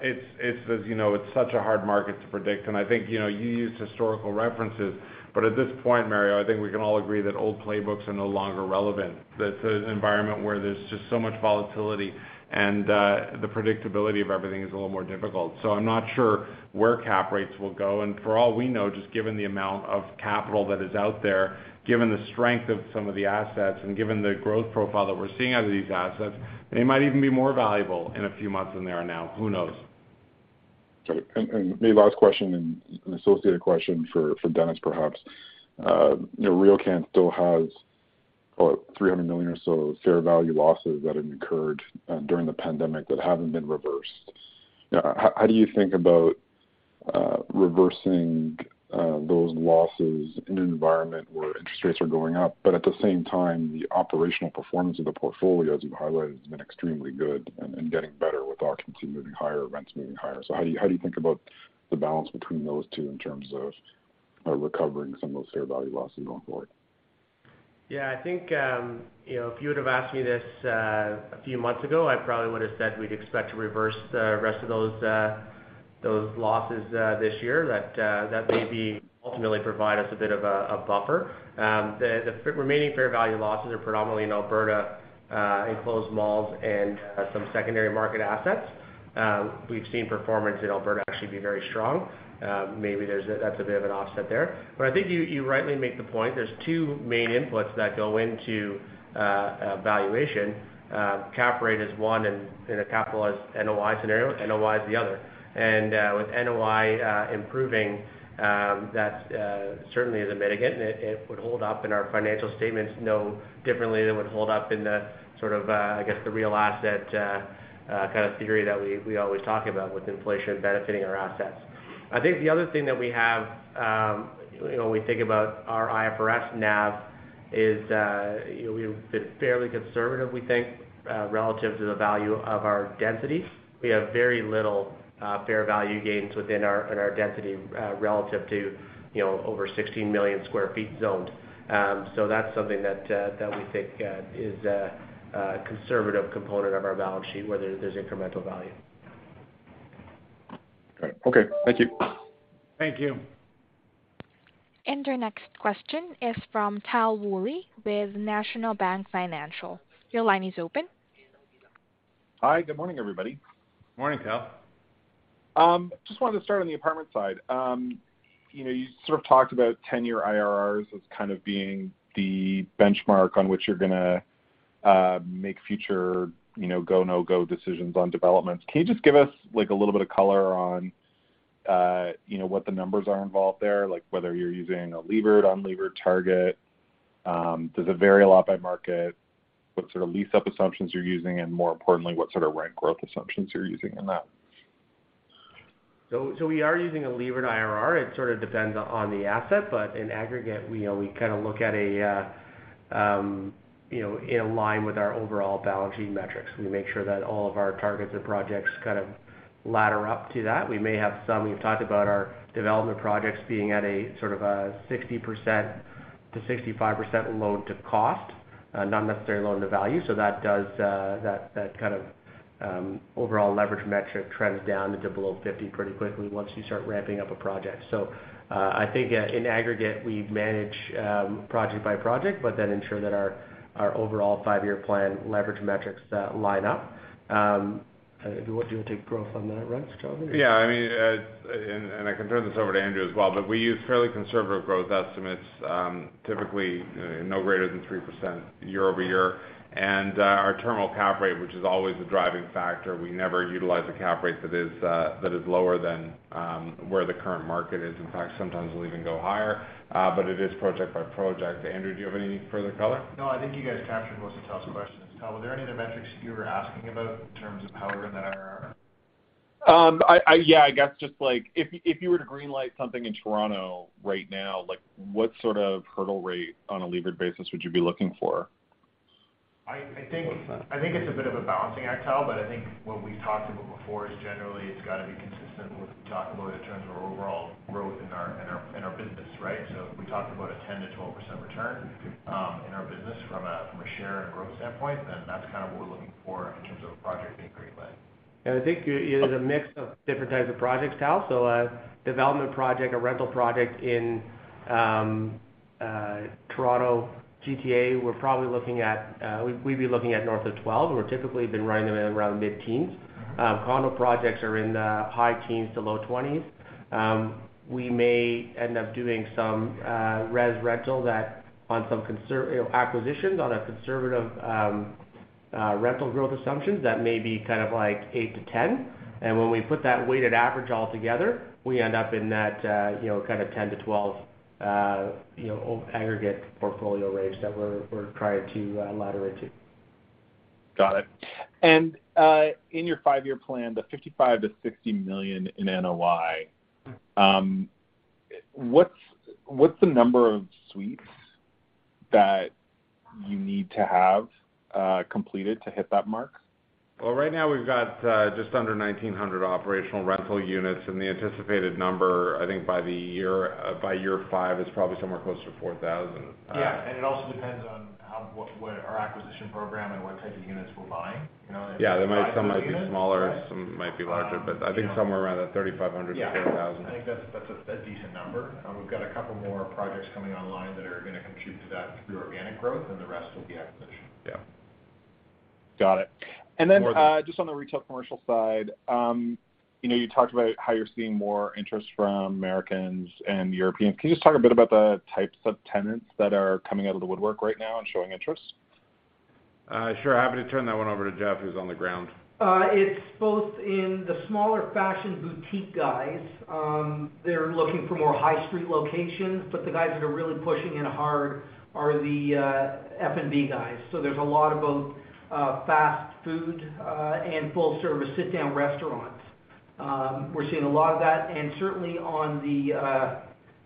It's as you know, it's such a hard market to predict, and I think, you know, you used historical references. At this point, Mario, I think we can all agree that old playbooks are no longer relevant. That's an environment where there's just so much volatility and the predictability of everything is a little more difficult. I'm not sure where cap rates will go. For all we know, just given the amount of capital that is out there, given the strength of some of the assets, and given the growth profile that we're seeing out of these assets, they might even be more valuable in a few months than they are now. Who knows? Got it. Maybe last question and an associated question for Dennis perhaps. You know, RioCan still has, what, 300 million or so fair value losses that have incurred during the pandemic that haven't been reversed. Now, how do you think about reversing those losses in an environment where interest rates are going up, but at the same time, the operational performance of the portfolio, as you've highlighted, has been extremely good and getting better with occupancy moving higher, rents moving higher. How do you think about the balance between those two in terms of recovering some of those fair value losses going forward? Yeah. I think, you know, if you would've asked me this, a few months ago, I probably would've said we'd expect to reverse the rest of those losses, this year that maybe ultimately provide us a bit of a buffer. The remaining fair value losses are predominantly in Alberta, enclosed malls and some secondary market assets. We've seen performance in Alberta actually be very strong. Maybe that's a bit of an offset there. I think you rightly make the point. There's two main inputs that go into a valuation. Cap rate is one, and in a capitalized NOI scenario, NOI is the other. With NOI improving, that certainly is a mitigant. It would hold up in our financial statements no differently than it would hold up in the sort of, I guess, the real asset kind of theory that we always talk about with inflation benefiting our assets. I think the other thing that we have, you know, when we think about our IFRS NAV is, you know, we've been fairly conservative, we think, relative to the value of our density. We have very little fair value gains in our density relative to, you know, over 16 million sq ft zoned. That's something that we think is a conservative component of our balance sheet, whether there's incremental value. Great. Okay. Thank you. Thank you. Our next question is from Tal Woolley with National Bank Financial. Your line is open. Hi. Good morning, everybody. Morning, Tal. Just wanted to start on the apartment side. You know, you sort of talked about 10-year IRRs as kind of being the benchmark on which you're gonna make future, you know, go, no-go decisions on developments. Can you just give us, like, a little bit of color on, you know, what the numbers are involved there, like whether you're using a levered, unlevered target? Does it vary a lot by market? What sort of lease-up assumptions you're using, and more importantly, what sort of rent growth assumptions you're using in that? We are using a levered IRR. It sort of depends on the asset, but in aggregate, you know, we kind of look at, you know, in line with our overall balance sheet metrics. We make sure that all of our targets and projects kind of ladder up to that. We may have some. We've talked about our development projects being at a sort of 60%-65% loan-to-cost. Not necessarily loan-to-value. That does that kind of overall leverage metric trends down into below 50% pretty quickly once you start ramping up a project. I think, in aggregate, we manage project by project, but then ensure that our overall five-year plan leverage metrics line up. Do you want to take growth on that, Rex, Charlie, or? Yeah, I mean, I can turn this over to Andrew as well, but we use fairly conservative growth estimates, typically, you know, no greater than 3% year-over-year. Our terminal cap rate, which is always the driving factor, we never utilize a cap rate that is lower than where the current market is. In fact, sometimes we'll even go higher, but it is project by project. Andrew, do you have any further color? No, I think you guys captured most of Tal's questions. Tal, were there any other metrics you were asking about in terms of how we're in the IRR? Yeah, I guess just like if you were to green light something in Toronto right now, like what sort of hurdle rate on a levered basis would you be looking for? I think. What's that? I think it's a bit of a balancing act, Tal, but I think what we talked about before is generally it's gotta be consistent with what we talked about in terms of our overall growth in our business, right? We talked about a 10%-12% return in our business from a share and growth standpoint, then that's kind of what we're looking for in terms of a project being green lit. I think it is a mix of different types of projects, Tal. A development project, a rental project in Toronto GTA, we'd be looking at north of 12%. We're typically been running around mid-teens. Condo projects are in the high teens to low 20s. We may end up doing some, you know, acquisitions on a conservative rental growth assumptions that may be kind of like 8%-10%. When we put that weighted average all together, we end up in that, you know, kind of 10%-12%, you know, aggregate portfolio range that we're trying to ladder into. Got it. In your five-year plan, the 55 million-60 million in NOI. What's the number of suites that you need to have completed to hit that mark? Well, right now we've got just under 1,900 operational rental units, and the anticipated number, I think by the year, by year five, is probably somewhere closer to 4,000. Yeah. It also depends on what our acquisition program and what type of units we're buying. You know, like- Yeah. Some might be smaller, some might be larger, but I think somewhere around that 3,500-4,000. Yeah. I think that's a decent number. We've got a couple more projects coming online that are gonna contribute to that through organic growth, and the rest will be acquisition. Yeah. Got it. Just on the retail commercial side, you know, you talked about how you're seeing more interest from Americans and Europeans. Can you just talk a bit about the types of tenants that are coming out of the woodwork right now and showing interest? Sure. Happy to turn that one over to Jeff, who's on the ground. It's both in the smaller fashion boutique guys, they're looking for more high street locations. The guys that are really pushing in hard are the F&B guys. There's a lot of both fast food and full service sit-down restaurants. We're seeing a lot of that. Certainly on the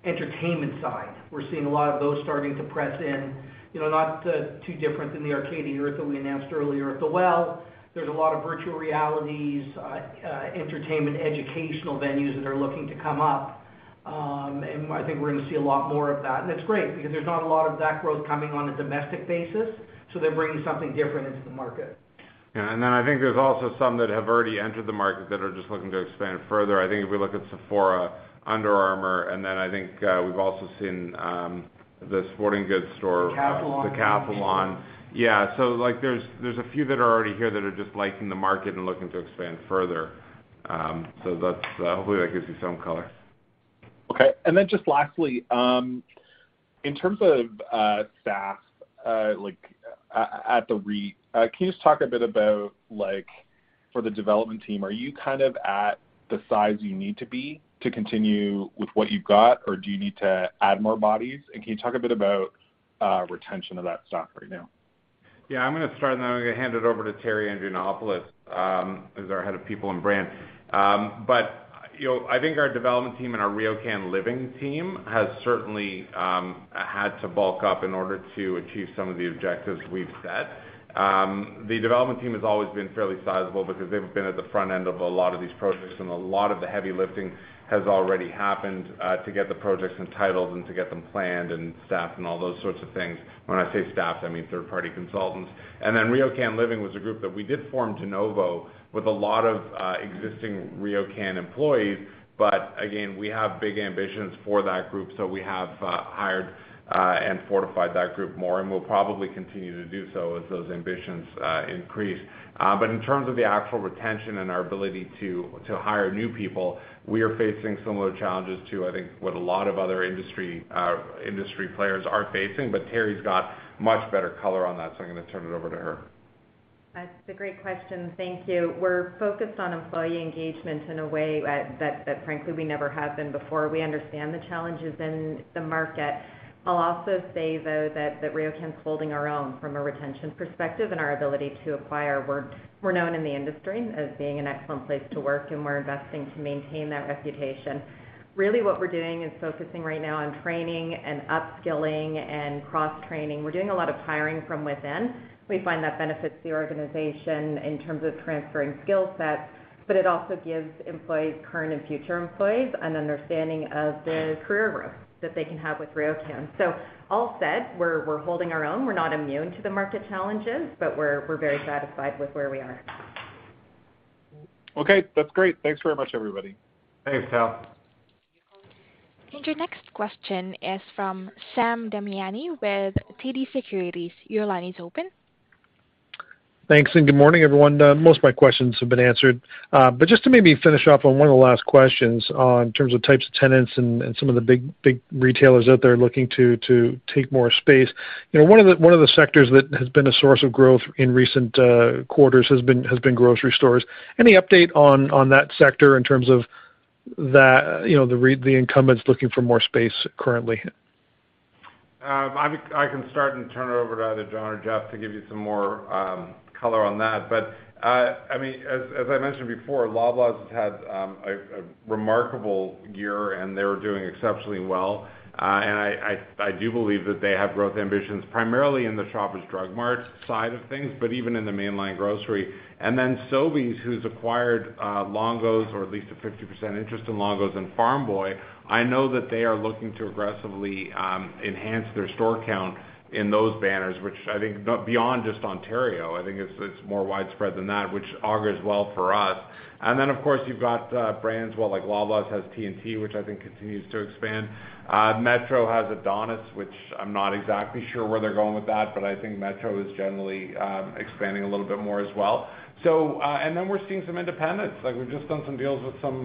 entertainment side, we're seeing a lot of those starting to press in, you know, not too different than the Arcadia Earth that we announced earlier at The Well. There's a lot of virtual realities, entertainment, educational venues that are looking to come up. I think we're gonna see a lot more of that. It's great because there's not a lot of that growth coming on a domestic basis, so they're bringing something different into the market. I think there's also some that have already entered the market that are just looking to expand further. I think if we look at Sephora, Under Armour, and then we've also seen the sporting goods store- The Capital One. Capital One. Yeah. Like, there's a few that are already here that are just liking the market and looking to expand further. Hopefully, that gives you some color. Okay. Then just lastly, in terms of staff, like at the REIT, can you just talk a bit about like for the development team, are you kind of at the size you need to be to continue with what you've got, or do you need to add more bodies? Can you talk a bit about retention of that staff right now? Yeah. I'm gonna start, and then I'm gonna hand it over to Terri Andrianopoulos, who's our Head of People and Brand. You know, I think our development team and our RioCan Living team has certainly had to bulk up in order to achieve some of the objectives we've set. The development team has always been fairly sizable because they've been at the front end of a lot of these projects, and a lot of the heavy lifting has already happened to get the projects entitled and to get them planned and staffed and all those sorts of things. When I say staffed, I mean third-party consultants. Then RioCan Living was a group that we did form de novo with a lot of existing RioCan employees. Again, we have big ambitions for that group, so we have hired and fortified that group more, and we'll probably continue to do so as those ambitions increase. In terms of the actual retention and our ability to hire new people, we are facing similar challenges to, I think, what a lot of other industry players are facing. Teri's got much better color on that, so I'm gonna turn it over to her. That's a great question. Thank you. We're focused on employee engagement in a way that frankly we never have been before. We understand the challenges in the market. I'll also say, though, that RioCan's holding our own from a retention perspective and our ability to acquire. We're known in the industry as being an excellent place to work, and we're investing to maintain that reputation. Really what we're doing is focusing right now on training and upskilling and cross-training. We're doing a lot of hiring from within. We find that benefits the organization in terms of transferring skill sets, but it also gives employees, current and future employees, an understanding of the career growth that they can have with RioCan. All said, we're holding our own. We're not immune to the market challenges, but we're very satisfied with where we are. Okay, that's great. Thanks very much, everybody. Thanks, Tal. Your next question is from Sam Damiani with TD Securities. Your line is open. Thanks, good morning, everyone. Most of my questions have been answered. Just to maybe finish off on one of the last questions in terms of types of tenants and some of the big retailers out there looking to take more space. You know, one of the sectors that has been a source of growth in recent quarters has been grocery stores. Any update on that sector in terms of that, you know, the incumbents looking for more space currently? I think I can start and turn it over to either John or Jeff to give you some more color on that. I mean, as I mentioned before, Loblaws has had a remarkable year, and they were doing exceptionally well. I do believe that they have growth ambitions, primarily in the Shoppers Drug Mart side of things, but even in the mainline grocery. Then Sobeys, who's acquired Longo's, or at least a 50% interest in Longo's and Farm Boy, I know that they are looking to aggressively enhance their store count in those banners, which I think beyond just Ontario. I think it's more widespread than that, which augurs well for us. Then, of course, you've got brands, well, like Loblaws has T&T, which I think continues to expand. Metro has Adonis, which I'm not exactly sure where they're going with that, but I think Metro is generally expanding a little bit more as well. We're seeing some independents. Like, we've just done some deals with some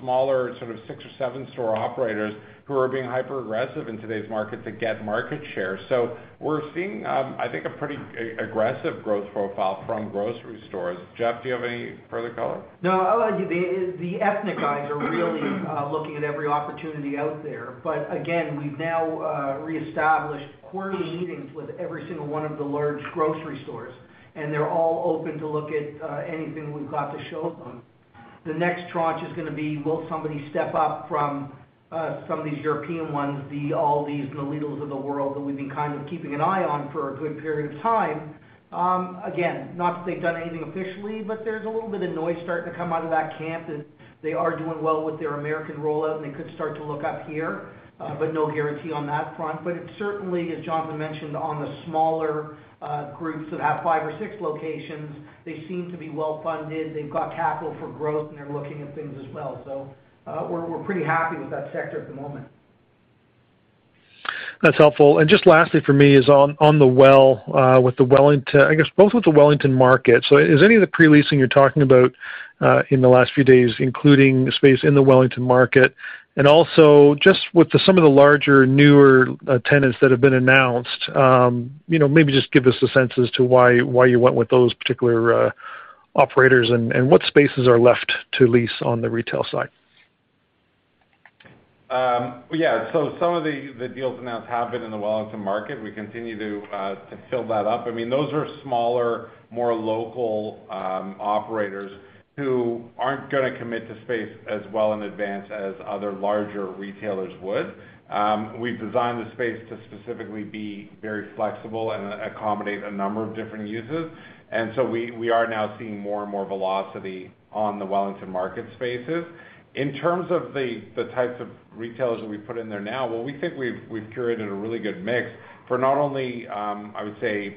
smaller sort of six or seven store operators who are being hyper aggressive in today's market to get market share. We're seeing, I think a pretty aggressive growth profile from grocery stores. Jeff, do you have any further color? No, I'll add the ethnic guys are really looking at every opportunity out there. Again, we've now reestablished quarterly meetings with every single one of the large grocery stores, and they're all open to look at anything we've got to show them. The next tranche is gonna be, will somebody step up from some of these European ones, the Aldis and the Lidls of the world that we've been kind of keeping an eye on for a good period of time. Again, not that they've done anything officially, but there's a little bit of noise starting to come out of that camp, that they are doing well with their American rollout, and they could start to look up here, but no guarantee on that front. It certainly, as Jonathan mentioned, on the smaller groups that have five or six locations, they seem to be well-funded. They've got capital for growth, and they're looking at things as well. We're pretty happy with that sector at the moment. That's helpful. Just lastly for me is on The Well, with the Wellington Market. I guess both with the Wellington Market. Is any of the pre-leasing you're talking about in the last few days, including the space in the Wellington Market, and also just with some of the larger, newer tenants that have been announced, you know, maybe just give us a sense as to why you went with those particular operators and what spaces are left to lease on the retail side. Yeah. Some of the deals announced have been in the Wellington Market. We continue to fill that up. I mean, those are smaller, more local operators who aren't gonna commit to space as well in advance as other larger retailers would. We've designed the space to specifically be very flexible and accommodate a number of different uses. We are now seeing more and more velocity on the Wellington Market spaces. In terms of the types of retailers that we've put in there now, well, we think we've curated a really good mix for not only, I would say,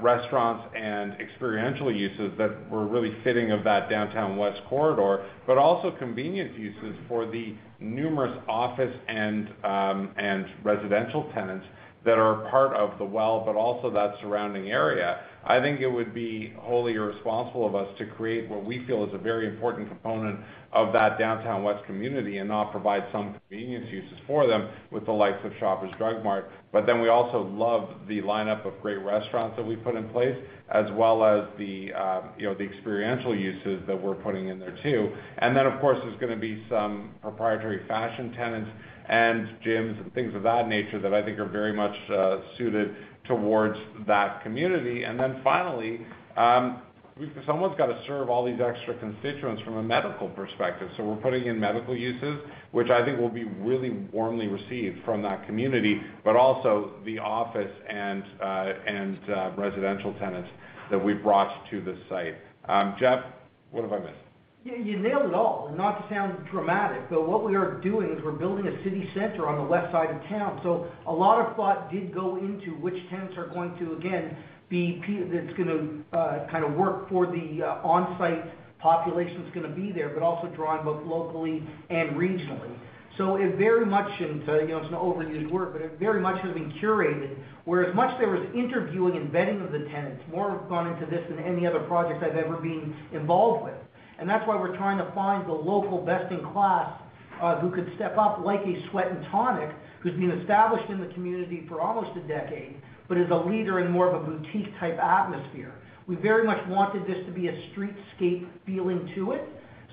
restaurants and experiential uses that were really fitting of that Downtown West corridor, but also convenience uses for the numerous office and residential tenants that are part of The Well, but also that surrounding area. I think it would be wholly irresponsible of us to create what we feel is a very important component of that Downtown West community and not provide some convenience uses for them with the likes of Shoppers Drug Mart. We also love the lineup of great restaurants that we put in place, as well as the, you know, the experiential uses that we're putting in there too. Of course, there's gonna be some proprietary fashion tenants and gyms and things of that nature that I think are very much suited towards that community. Finally, someone's gotta serve all these extra constituents from a medical perspective. We're putting in medical uses, which I think will be really warmly received from that community, but also the office and residential tenants that we've brought to this site. Jeff, what have I missed? Yeah, you nailed it all. Not to sound dramatic, but what we are doing is we're building a city center on the west side of town. A lot of thought did go into which tenants are going to, again, that's gonna kind of work for the on-site population that's gonna be there, but also drawing both locally and regionally. It very much, and, you know, it's an overused word, but it very much has been curated, where as much there was interviewing and vetting of the tenants, more have gone into this than any other project I've ever been involved with. That's why we're trying to find the local best-in-class who could step up, like a Sweat & Tonic, who's been established in the community for almost a decade, but is a leader in more of a boutique type atmosphere. We very much wanted this to be a streetscape feeling to it,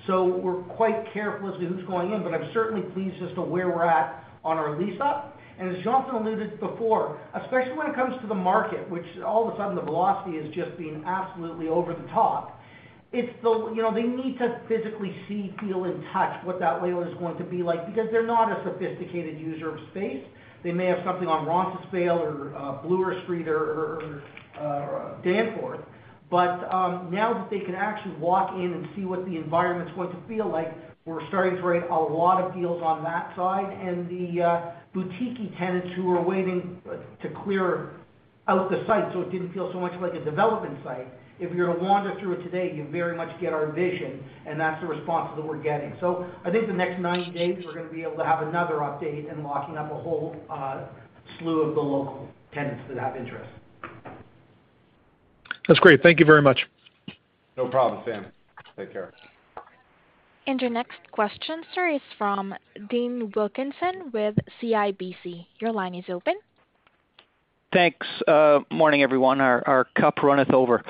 so we're quite careful as to who's going in, but I'm certainly pleased as to where we're at on our lease up. As Jonathan alluded before, especially when it comes to the MARKET, which all of a sudden the velocity has just been absolutely over the top. It's. You know, they need to physically see, feel, and touch what that lease list is going to be like because they're not a sophisticated user of space. They may have something on Roncesvalles or Bloor Street or Danforth. Now that they can actually walk in and see what the environment's going to feel like, we're starting to write a lot of deals on that side. The boutiquey tenants who are waiting to clear Out at the site, so it didn't feel so much like a development site. If you're to wander through it today, you very much get our vision, and that's the response that we're getting. I think the next 90 days, we're gonna be able to have another update and locking up a whole slew of the local tenants that have interest. That's great. Thank you very much. No problem, Sam. Take care. Your next question, sir, is from Dean Wilkinson with CIBC. Your line is open. Thanks. Morning, everyone. Our cup runneth over.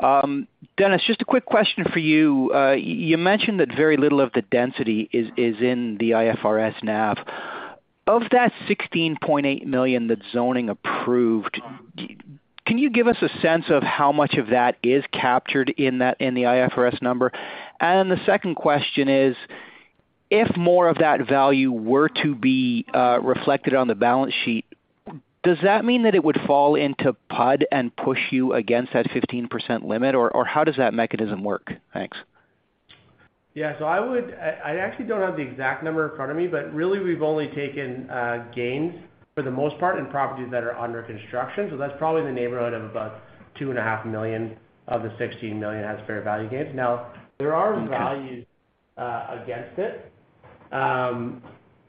Dennis, just a quick question for you. You mentioned that very little of the density is in the IFRS NAV. Of that 16.8 million that zoning approved, can you give us a sense of how much of that is captured in that in the IFRS number? And the second question is, if more of that value were to be reflected on the balance sheet, does that mean that it would fall into PUD and push you against that 15% limit, or how does that mechanism work? Thanks. I actually don't have the exact number in front of me, but really we've only taken gains for the most part in properties that are under construction. That's probably in the neighborhood of about 2.5 million of the 16 million as fair value gains. Now, there are values. Okay against it.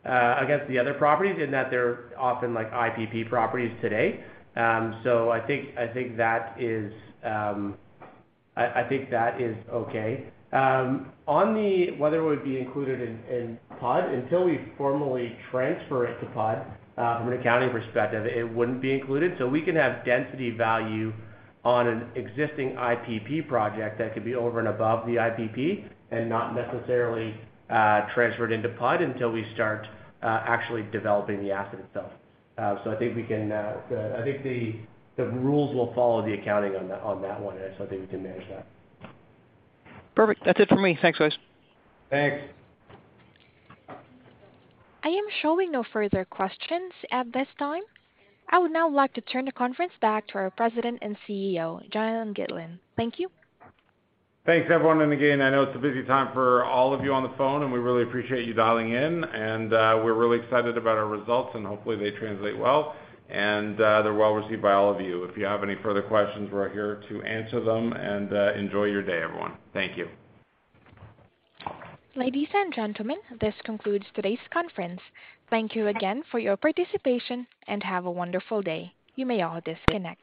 Against the other properties in that they're often like IPP properties today. I think that is okay. Whether it would be included in PUD until we formally transfer it to PUD from an accounting perspective, it wouldn't be included. We can have density value on an existing IPP project that could be over and above the IPP and not necessarily transferred into PUD until we start actually developing the asset itself. I think we can, the rules will follow the accounting on that one, and I think we can manage that. Perfect. That's it for me. Thanks, guys. Thanks. I am showing no further questions at this time. I would now like to turn the conference back to our President and CEO, Jonathan Gitlin. Thank you. Thanks, everyone. Again, I know it's a busy time for all of you on the phone, and we really appreciate you dialing in. We're really excited about our results, and hopefully they translate well and they're well received by all of you. If you have any further questions, we're here to answer them, and enjoy your day, everyone. Thank you. Ladies and gentlemen, this concludes today's conference. Thank you again for your participation and have a wonderful day. You may all disconnect.